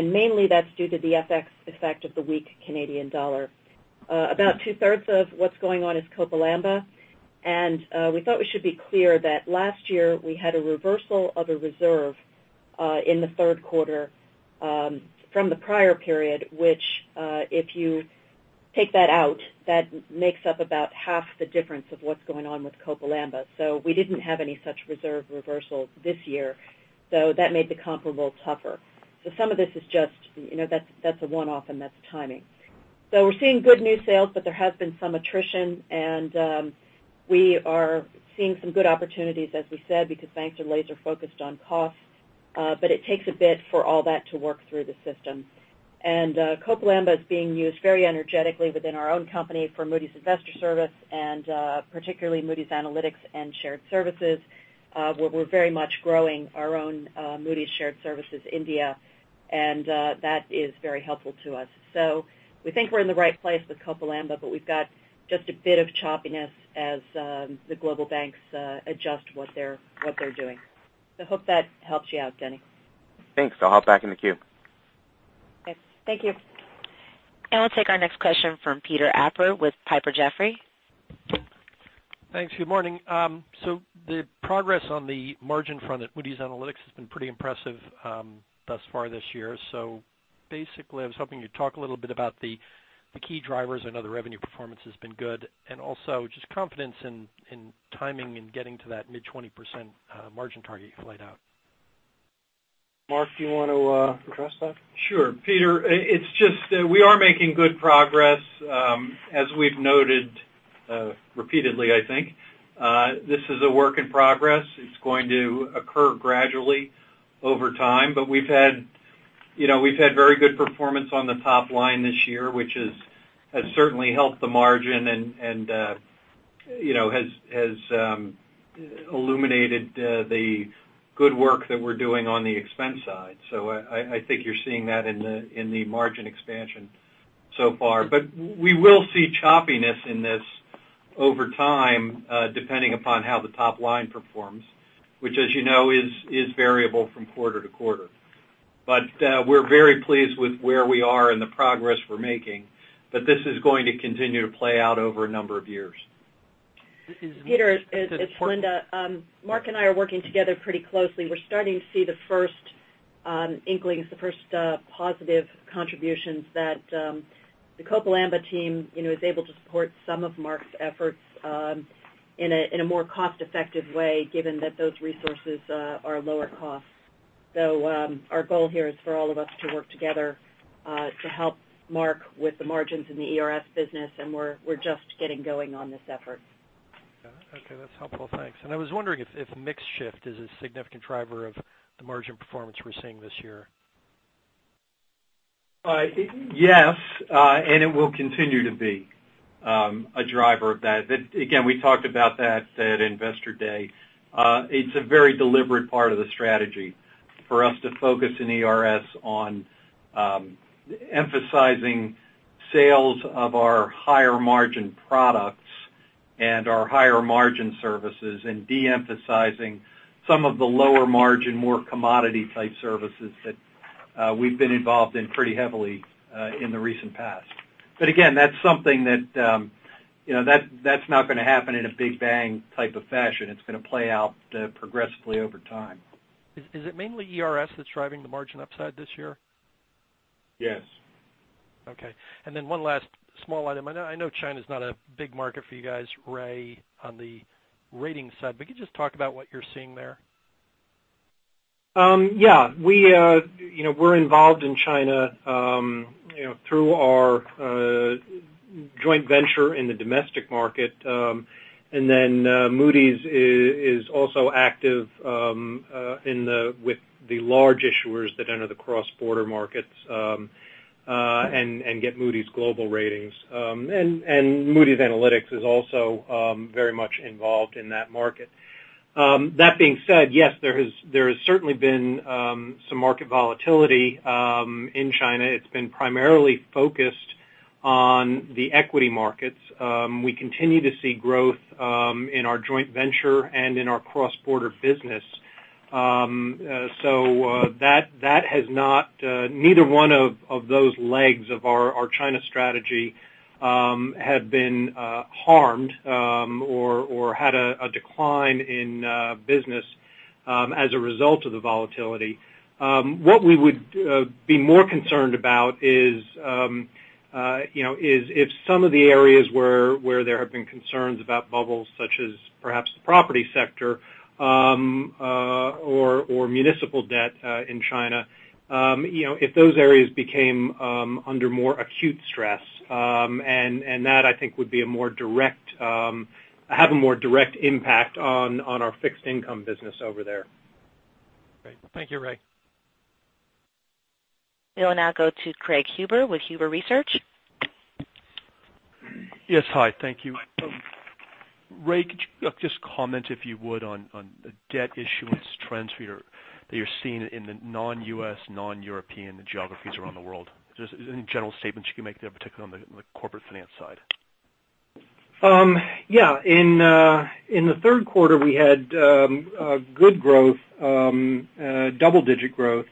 Mainly that's due to the FX effect of the weak Canadian dollar. About two-thirds of what's going on is Copal Amba, and we thought we should be clear that last year we had a reversal of a reserve in the third quarter from the prior period, which if you take that out, that makes up about half the difference of what's going on with Copal Amba. We didn't have any such reserve reversals this year, so that made the comparable tougher. Some of this is just that's a one-off, and that's timing. We're seeing good new sales, but there has been some attrition. We are seeing some good opportunities, as we said, because banks are laser-focused on costs. It takes a bit for all that to work through the system. Copal Amba is being used very energetically within our own company for Moody's Investors Service and particularly Moody's Analytics and Shared Services, where we're very much growing our own Moody's Shared Services India, and that is very helpful to us. We think we're in the right place with Copal Amba, we've got just a bit of choppiness as the global banks adjust what they're doing. I hope that helps you out, Jenny. Thanks. I'll hop back in the queue. Okay. Thank you. We'll take our next question from Peter Appert with Piper Jaffray. Thanks. Good morning. The progress on the margin front at Moody's Analytics has been pretty impressive thus far this year. I was hoping you'd talk a little bit about the key drivers. I know the revenue performance has been good, and also just confidence in timing and getting to that mid-20% margin target you've laid out. Mark, do you want to address that? Sure. Peter, it's just we are making good progress. As we've noted repeatedly, I think, this is a work in progress. It's going to occur gradually over time, but we've had very good performance on the top line this year, which has certainly helped the margin and has illuminated the good work that we're doing on the expense side. I think you're seeing that in the margin expansion so far. We will see choppiness in this over time depending upon how the top line performs, which, as you know, is variable from quarter to quarter. We're very pleased with where we are and the progress we're making, but this is going to continue to play out over a number of years. Peter, it's Linda. Mark and I are working together pretty closely. We're starting to see the first inklings, the first positive contributions that the Copal Amba team is able to support some of Mark's efforts in a more cost-effective way, given that those resources are lower cost. Our goal here is for all of us to work together to help Mark with the margins in the ERS business, and we're just getting going on this effort. Okay, that's helpful. Thanks. I was wondering if mix shift is a significant driver of the margin performance we're seeing this year. Yes, it will continue to be a driver of that. Again, we talked about that at Investor Day. It's a very deliberate part of the strategy for us to focus in ERS on emphasizing sales of our higher-margin products Our higher-margin services and de-emphasizing some of the lower-margin, more commodity type services that we've been involved in pretty heavily in the recent past. Again, that's something that's not going to happen in a big bang type of fashion. It's going to play out progressively over time. Is it mainly ERS that's driving the margin upside this year? Yes. Okay. One last small item. I know China's not a big market for you guys, Ray, on the ratings side, could you just talk about what you're seeing there? Yeah. We're involved in China through our joint venture in the domestic market. Moody's is also active with the large issuers that enter the cross-border markets, and get Moody's global ratings. Moody's Analytics is also very much involved in that market. That being said, yes, there has certainly been some market volatility in China. It's been primarily focused on the equity markets. We continue to see growth in our joint venture and in our cross-border business. That has not, neither one of those legs of our China strategy have been harmed or had a decline in business as a result of the volatility. What we would be more concerned about is if some of the areas where there have been concerns about bubbles such as perhaps the property sector or municipal debt in China. If those areas became under more acute stress, and that I think would have a more direct impact on our fixed income business over there. Great. Thank you, Ray. We will now go to Craig Huber with Huber Research Partners. Yes. Hi, thank you. Ray, could you just comment, if you would, on the debt issuance trends that you're seeing in the non-U.S., non-European geographies around the world? Just any general statements you can make there, particularly on the corporate finance side. Yeah. In the third quarter, we had good growth, double-digit growth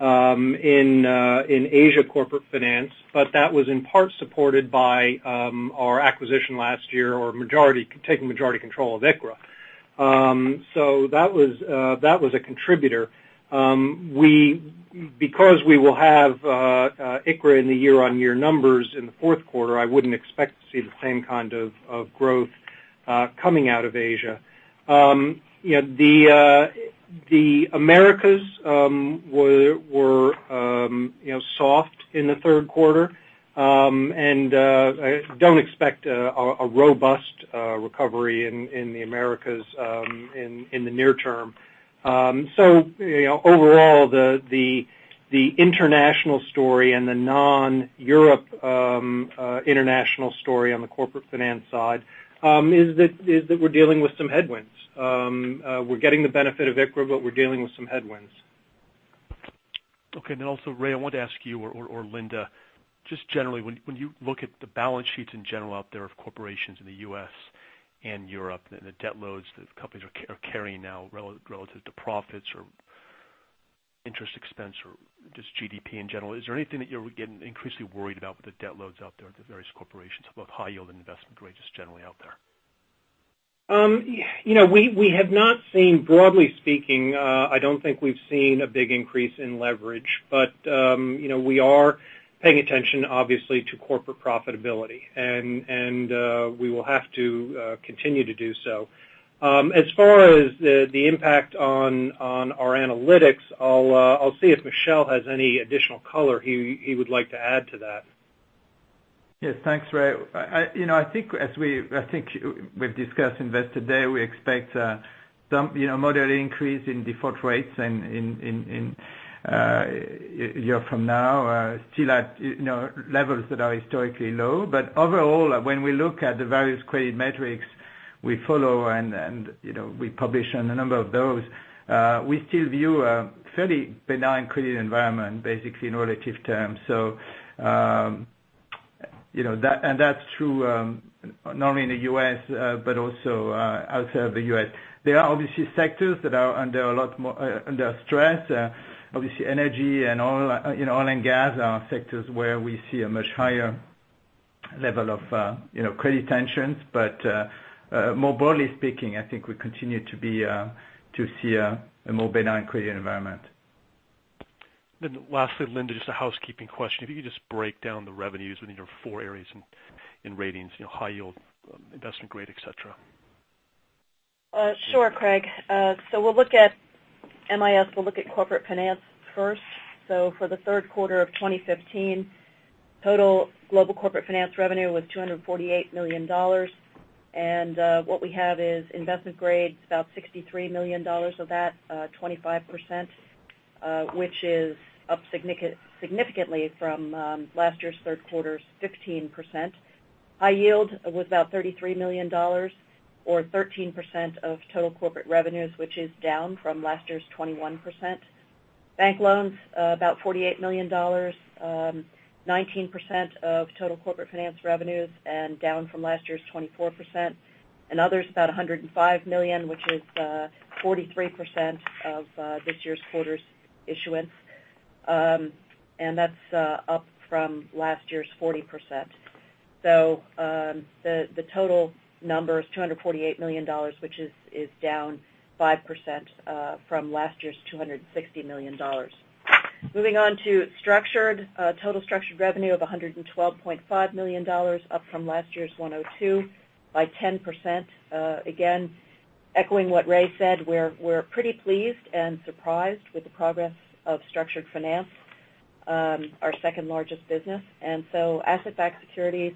in Asia corporate finance. That was in part supported by our acquisition last year or taking majority control of ICRA Limited. That was a contributor. Because we will have ICRA Limited in the year-on-year numbers in the fourth quarter, I wouldn't expect to see the same kind of growth coming out of Asia. The Americas were soft in the third quarter. I don't expect a robust recovery in the Americas in the near term. Overall, the international story and the non-Europe international story on the corporate finance side is that we're dealing with some headwinds. We're getting the benefit of ICRA Limited, but we're dealing with some headwinds. Okay. Also, Ray, I wanted to ask you or Linda, just generally, when you look at the balance sheets in general out there of corporations in the U.S. and Europe, and the debt loads that companies are carrying now relative to profits or interest expense or just GDP in general, is there anything that you're getting increasingly worried about with the debt loads out there at the various corporations, both high yield and investment grade, just generally out there? We have not seen, broadly speaking, I don't think we've seen a big increase in leverage. We are paying attention, obviously, to corporate profitability. We will have to continue to do so. As far as the impact on our Analytics, I'll see if Michel has any additional color he would like to add to that. Yes. Thanks, Ray. I think as we've discussed today, we expect some moderate increase in default rates a year from now. Still at levels that are historically low. Overall, when we look at the various credit metrics we follow, and we publish on a number of those, we still view a fairly benign credit environment, basically in relative terms. That's true not only in the U.S., but also outside of the U.S. There are obviously sectors that are under stress. Obviously energy and oil and gas are sectors where we see a much higher level of credit tensions. More broadly speaking, I think we continue to see a more benign credit environment. Lastly, Linda, just a housekeeping question. If you could just break down the revenues within your four areas in ratings, high yield, investment grade, et cetera. Sure, Craig. We'll look at MIS, we'll look at corporate finance first. For the third quarter of 2015, total global corporate finance revenue was $248 million. What we have is investment grade, about $63 million of that, 25%, which is up significantly from last year's third quarter's 15%. High yield was about $33 million or 13% of total corporate revenues, which is down from last year's 21%. Bank loans, about $48 million, 19% of total corporate finance revenues, down from last year's 24%. In others, about $105 million, which is 43% of this year's quarter's issuance. That's up from last year's 40%. The total number is $248 million, which is down 5% from last year's $260 million. Moving on to structured. Total structured revenue of $112.5 million, up from last year's $102 by 10%. Again, echoing what Ray said, we're pretty pleased and surprised with the progress of structured finance, our second-largest business. Asset-backed securities,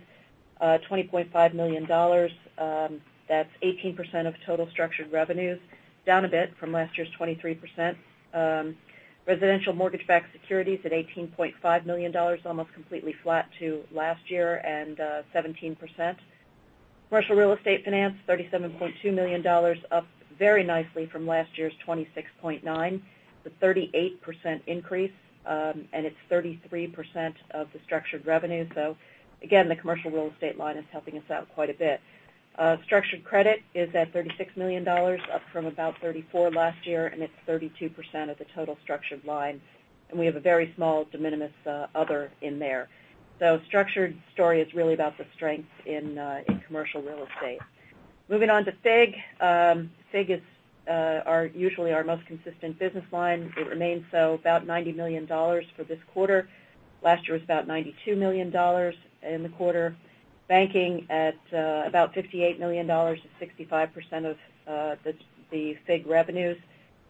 $20.5 million. That's 18% of total structured revenues, down a bit from last year's 23%. Residential mortgage-backed securities at $18.5 million, almost completely flat to last year and 17%. Commercial real estate finance, $37.2 million, up very nicely from last year's $26.9 million. A 38% increase. It's 33% of the structured revenue. Structured credit is at $36 million, up from about $34 million last year, and it's 32% of the total structured line. We have a very small de minimis other in there. Structured story is really about the strength in commercial real estate. Moving on to FIG. FIG is usually our most consistent business line. It remains so. About $90 million for this quarter. Last year was about $92 million in the quarter. Banking at about $58 million, or 65% of the FIG revenues,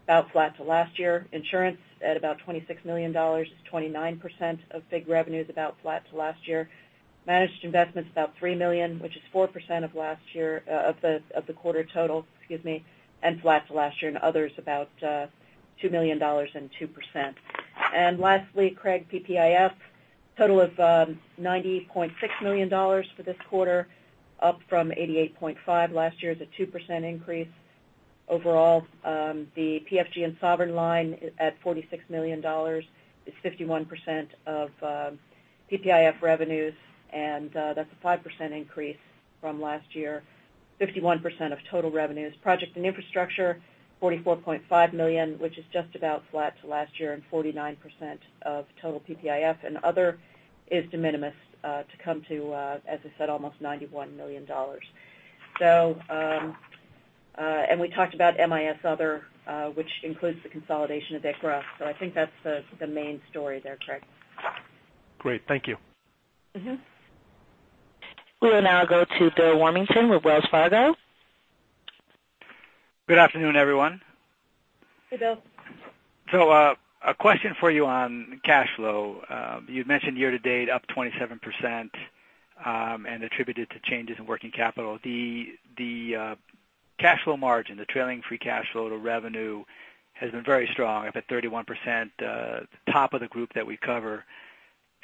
about flat to last year. Insurance at about $26 million, 29% of FIG revenues, about flat to last year. Managed investments, about $3 million, which is 4% of the quarter total and flat to last year. In others, about $2 million and 2%. Lastly, Craig, PPIF. Total of $90.6 million for this quarter, up from $88.5 million last year. It's a 2% increase overall. The PFG and sovereign line at $46 million is 51% of PPIF revenues, and that's a 5% increase from last year, 51% of total revenues. Project and infrastructure, $44.5 million, which is just about flat to last year and 49% of total PPIF. Other is de minimis to come to, as I said, almost $91 million. We talked about MIS other, which includes the consolidation of ICRA, so I think that's the main story there, Craig. Great. Thank you. We will now go to Bill Warmington with Wells Fargo. Good afternoon, everyone. Hey, Bill. A question for you on cash flow. You'd mentioned year to date up 27% and attributed to changes in working capital. The cash flow margin, the trailing free cash flow to revenue, has been very strong, up at 31%, the top of the group that we cover.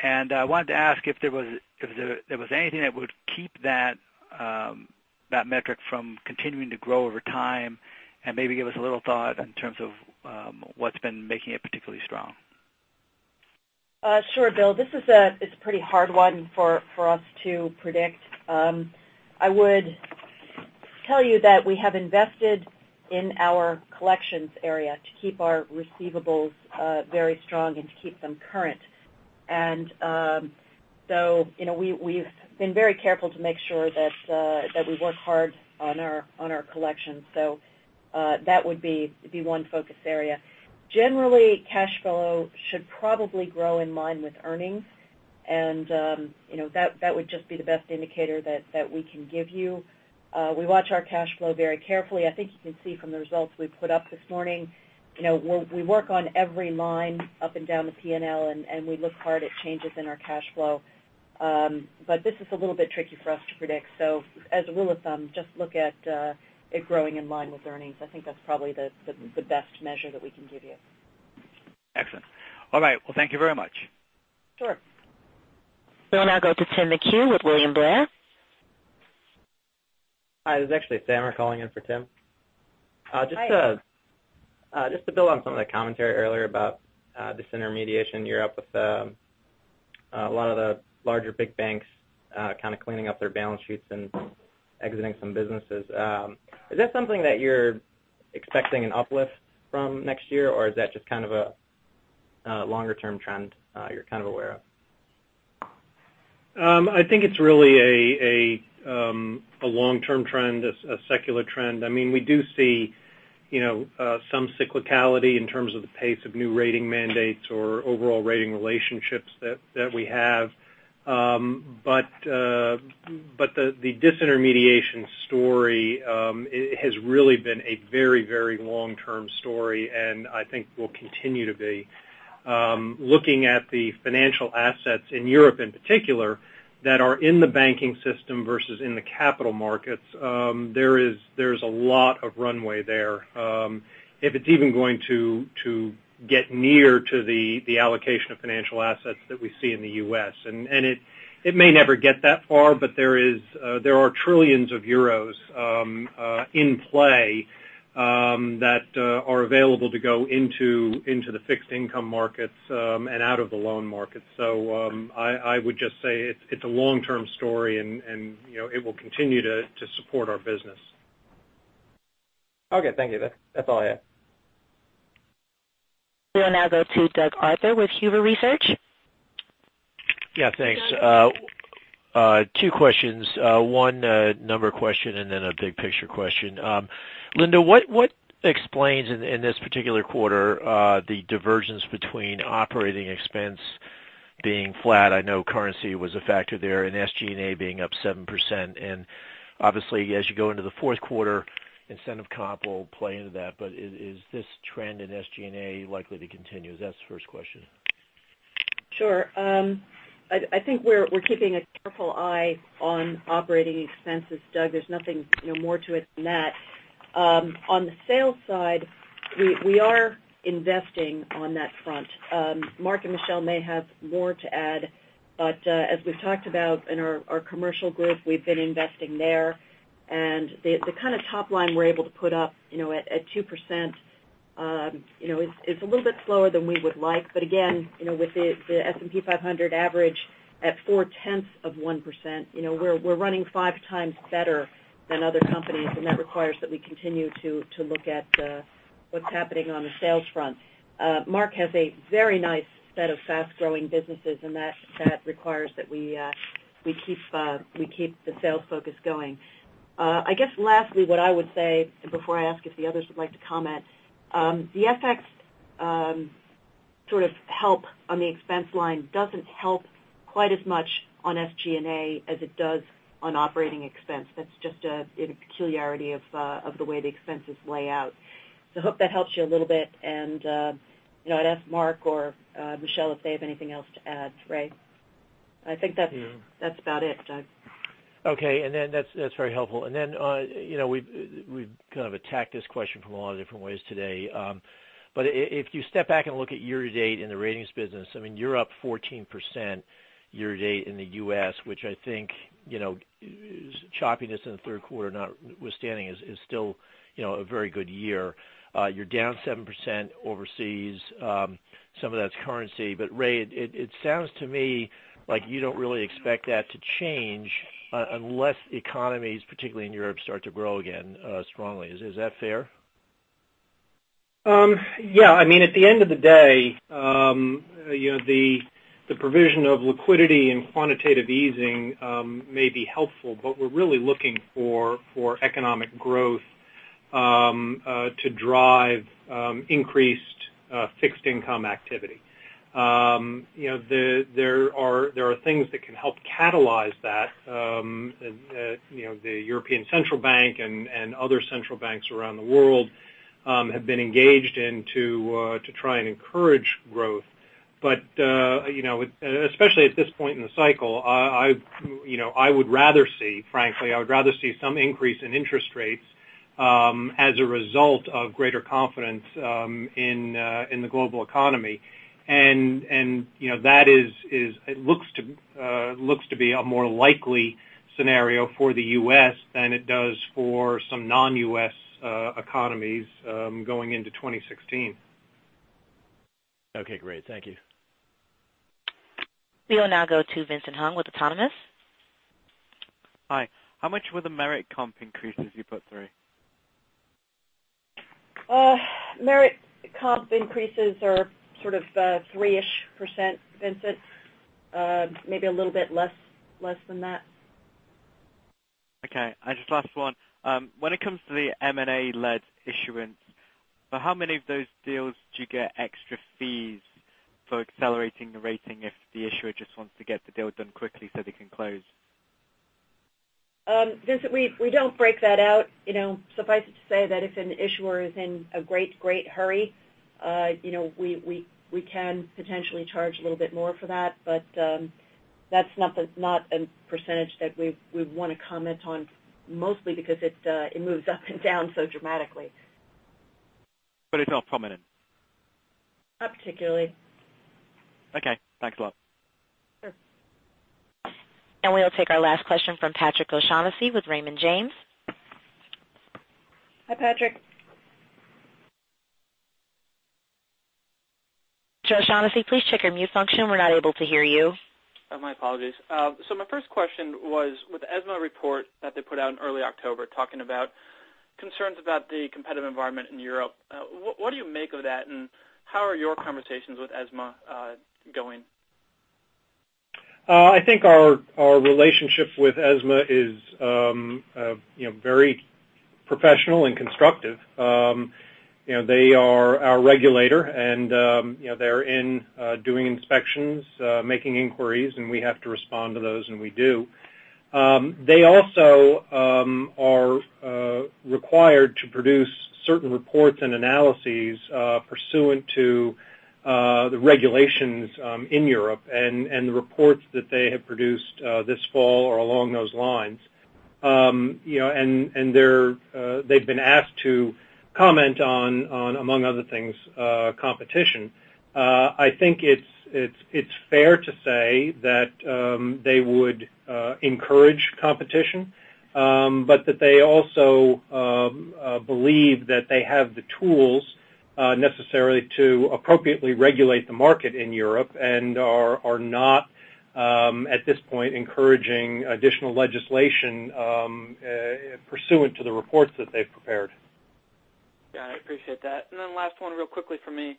I wanted to ask if there was anything that would keep that metric from continuing to grow over time, and maybe give us a little thought in terms of what's been making it particularly strong. Sure, Bill. This is a pretty hard one for us to predict. I would tell you that we have invested in our collections area to keep our receivables very strong and to keep them current. We've been very careful to make sure that we work hard on our collections. That would be one focus area. Generally, cash flow should probably grow in line with earnings, that would just be the best indicator that we can give you. We watch our cash flow very carefully. I think you can see from the results we put up this morning. We work on every line up and down the P&L, and we look hard at changes in our cash flow. This is a little bit tricky for us to predict. As a rule of thumb, just look at it growing in line with earnings. I think that's probably the best measure that we can give you. Excellent. All right. Well, thank you very much. Sure. We'll now go to Tim McHugh with William Blair. Hi, this is actually Sammer calling in for Tim. Hi. To build on some of the commentary earlier about disintermediation in Europe with a lot of the larger big banks kind of cleaning up their balance sheets and exiting some businesses. Is that something that you're expecting an uplift from next year, or is that just kind of a longer-term trend you're kind of aware of? I think it's really a long-term trend, a secular trend. I mean, we do see some cyclicality in terms of the pace of new rating mandates or overall rating relationships that we have. The disintermediation story has really been a very long-term story, and I think will continue to be. Looking at the financial assets in Europe in particular that are in the banking system versus in the capital markets, there's a lot of runway there if it's even going to get near to the allocation of financial assets that we see in the U.S. It may never get that far, but there are trillions euros in play that are available to go into the fixed income markets and out of the loan markets. I would just say it's a long-term story, and it will continue to support our business. Okay. Thank you. That's all I have. We will now go to Doug Arthur with Huber Research. Thanks. Two questions. One number question and then a big picture question. Linda, what explains, in this particular quarter, the divergence between operating expense being flat, I know currency was a factor there, and SG&A being up 7%? Obviously, as you go into the fourth quarter, incentive comp will play into that, but is this trend in SG&A likely to continue? That's the first question. Sure. I think we're keeping a careful eye on operating expenses, Doug. There's nothing more to it than that. On the sales side, we are investing on that front. Mark and Michel may have more to add, but as we've talked about in our commercial group, we've been investing there. The kind of top line we're able to put up at 2% is a little bit slower than we would like. Again, with the S&P 500 average at four-tenths of 1%, we're running five times better than other companies, that requires that we continue to look at what's happening on the sales front. Mark has a very nice set of fast-growing businesses, that requires that we keep the sales focus going. I guess lastly, what I would say, before I ask if the others would like to comment, the FX sort of help on the expense line doesn't help quite as much on SG&A as it does on operating expense. That's just a peculiarity of the way the expenses lay out. Hope that helps you a little bit. I'd ask Mark or Michel if they have anything else to add. Ray? I think that's about it, Doug. Okay. That's very helpful. We've kind of attacked this question from a lot of different ways today. If you step back and look at year-to-date in the ratings business, you're up 14% year-to-date in the U.S., which I think, choppiness in the third quarter notwithstanding, is still a very good year. You're down 7% overseas. Some of that's currency. Raymond McDaniel, it sounds to me like you don't really expect that to change unless economies, particularly in Europe, start to grow again strongly. Is that fair? Yeah. At the end of the day, the provision of liquidity and quantitative easing may be helpful. We're really looking for economic growth to drive increased fixed income activity. There are things that can help catalyze that. The European Central Bank and other central banks around the world have been engaged in to try and encourage growth. Especially at this point in the cycle, frankly, I would rather see some increase in interest rates as a result of greater confidence in the global economy. That looks to be a more likely scenario for the U.S. than it does for some non-U.S. economies going into 2016. Okay, great. Thank you. We will now go to Vincent Hung with Autonomous. Hi. How much were the merit comp increases you put through? Merit comp increases are sort of three-ish %, Vincent. Maybe a little bit less than that. Okay. Just last one. When it comes to the M&A-led issuance, for how many of those deals do you get extra fees for accelerating the rating if the issuer just wants to get the deal done quickly so they can close? Vincent, we don't break that out. Suffice it to say that if an issuer is in a great hurry, we can potentially charge a little bit more for that. That's not a % that we'd want to comment on, mostly because it moves up and down so dramatically. It's not prominent. Not particularly. Okay. Thanks a lot. Sure. We will take our last question from Patrick O'Shaughnessy with Raymond James. Hi, Patrick. Shaughnessy, please check your mute function. We're not able to hear you. Oh, my apologies. My first question was, with the ESMA report that they put out in early October talking about concerns about the competitive environment in Europe, what do you make of that, and how are your conversations with ESMA going? I think our relationship with ESMA is very professional and constructive. They are our regulator, and they're in doing inspections, making inquiries, and we have to respond to those, and we do. They also are required to produce certain reports and analyses pursuant to the regulations in Europe. The reports that they have produced this fall are along those lines. They've been asked to comment on, among other things, competition. I think it's fair to say that they would encourage competition, but that they also believe that they have the tools necessary to appropriately regulate the market in Europe and are not, at this point, encouraging additional legislation pursuant to the reports that they've prepared. Got it. Appreciate that. Last one real quickly from me.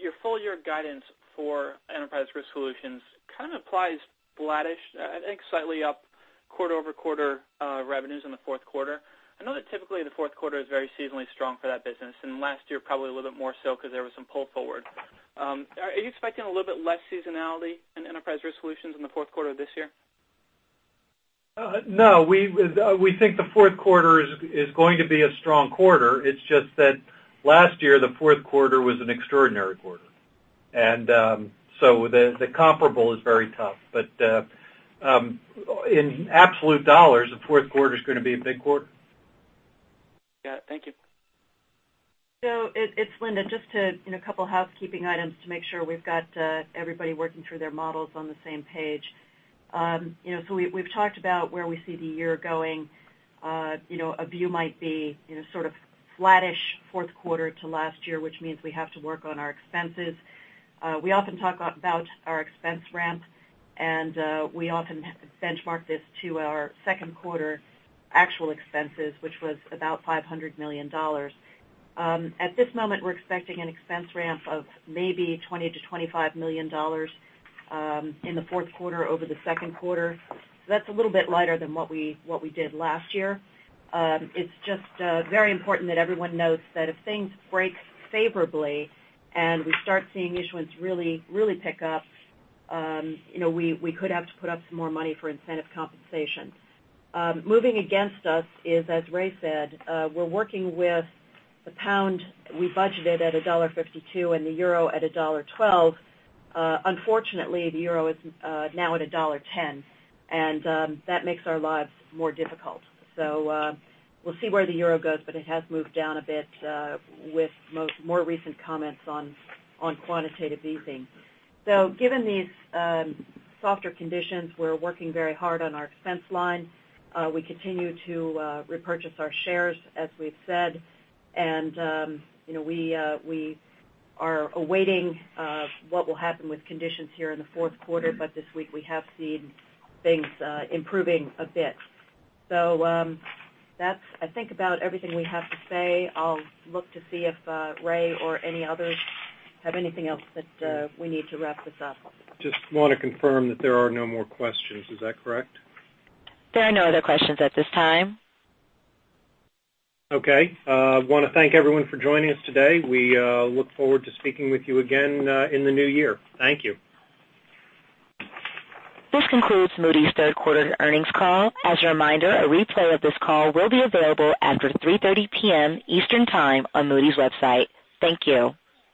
Your full-year guidance for Enterprise Risk Solutions kind of applies flattish, I think slightly up quarter-over-quarter revenues in the fourth quarter. I know that typically the fourth quarter is very seasonally strong for that business, and last year, probably a little bit more so because there was some pull forward. Are you expecting a little bit less seasonality in Enterprise Risk Solutions in the fourth quarter of this year? No. We think the fourth quarter is going to be a strong quarter. It's just that last year, the fourth quarter was an extraordinary quarter. The comparable is very tough. In absolute dollars, the fourth quarter is going to be a big quarter. Yeah. Thank you. It's Linda. Just a couple housekeeping items to make sure we've got everybody working through their models on the same page. We've talked about where we see the year going. A view might be sort of flattish fourth quarter to last year, which means we have to work on our expenses. We often talk about our expense ramp, and we often benchmark this to our second quarter actual expenses, which was about $500 million. At this moment, we're expecting an expense ramp of maybe $20 million-$25 million in the fourth quarter over the second quarter. That's a little bit lighter than what we did last year. It's just very important that everyone notes that if things break favorably and we start seeing issuance really pick up, we could have to put up some more money for incentive compensation. Moving against us is, as Ray said, we're working with the pound we budgeted at $1.52 and the euro at $1.12. Unfortunately, the euro is now at $1.10, and that makes our lives more difficult. We'll see where the euro goes, but it has moved down a bit with more recent comments on quantitative easing. Given these softer conditions, we're working very hard on our expense line. We continue to repurchase our shares, as we've said. We are awaiting what will happen with conditions here in the fourth quarter. This week we have seen things improving a bit. That's I think about everything we have to say. I'll look to see if Ray or any others have anything else, but we need to wrap this up. Just want to confirm that there are no more questions. Is that correct? There are no other questions at this time. Okay. Want to thank everyone for joining us today. We look forward to speaking with you again in the new year. Thank you. This concludes Moody's third quarter earnings call. As a reminder, a replay of this call will be available after 3:30 P.M. Eastern Time on Moody's website. Thank you.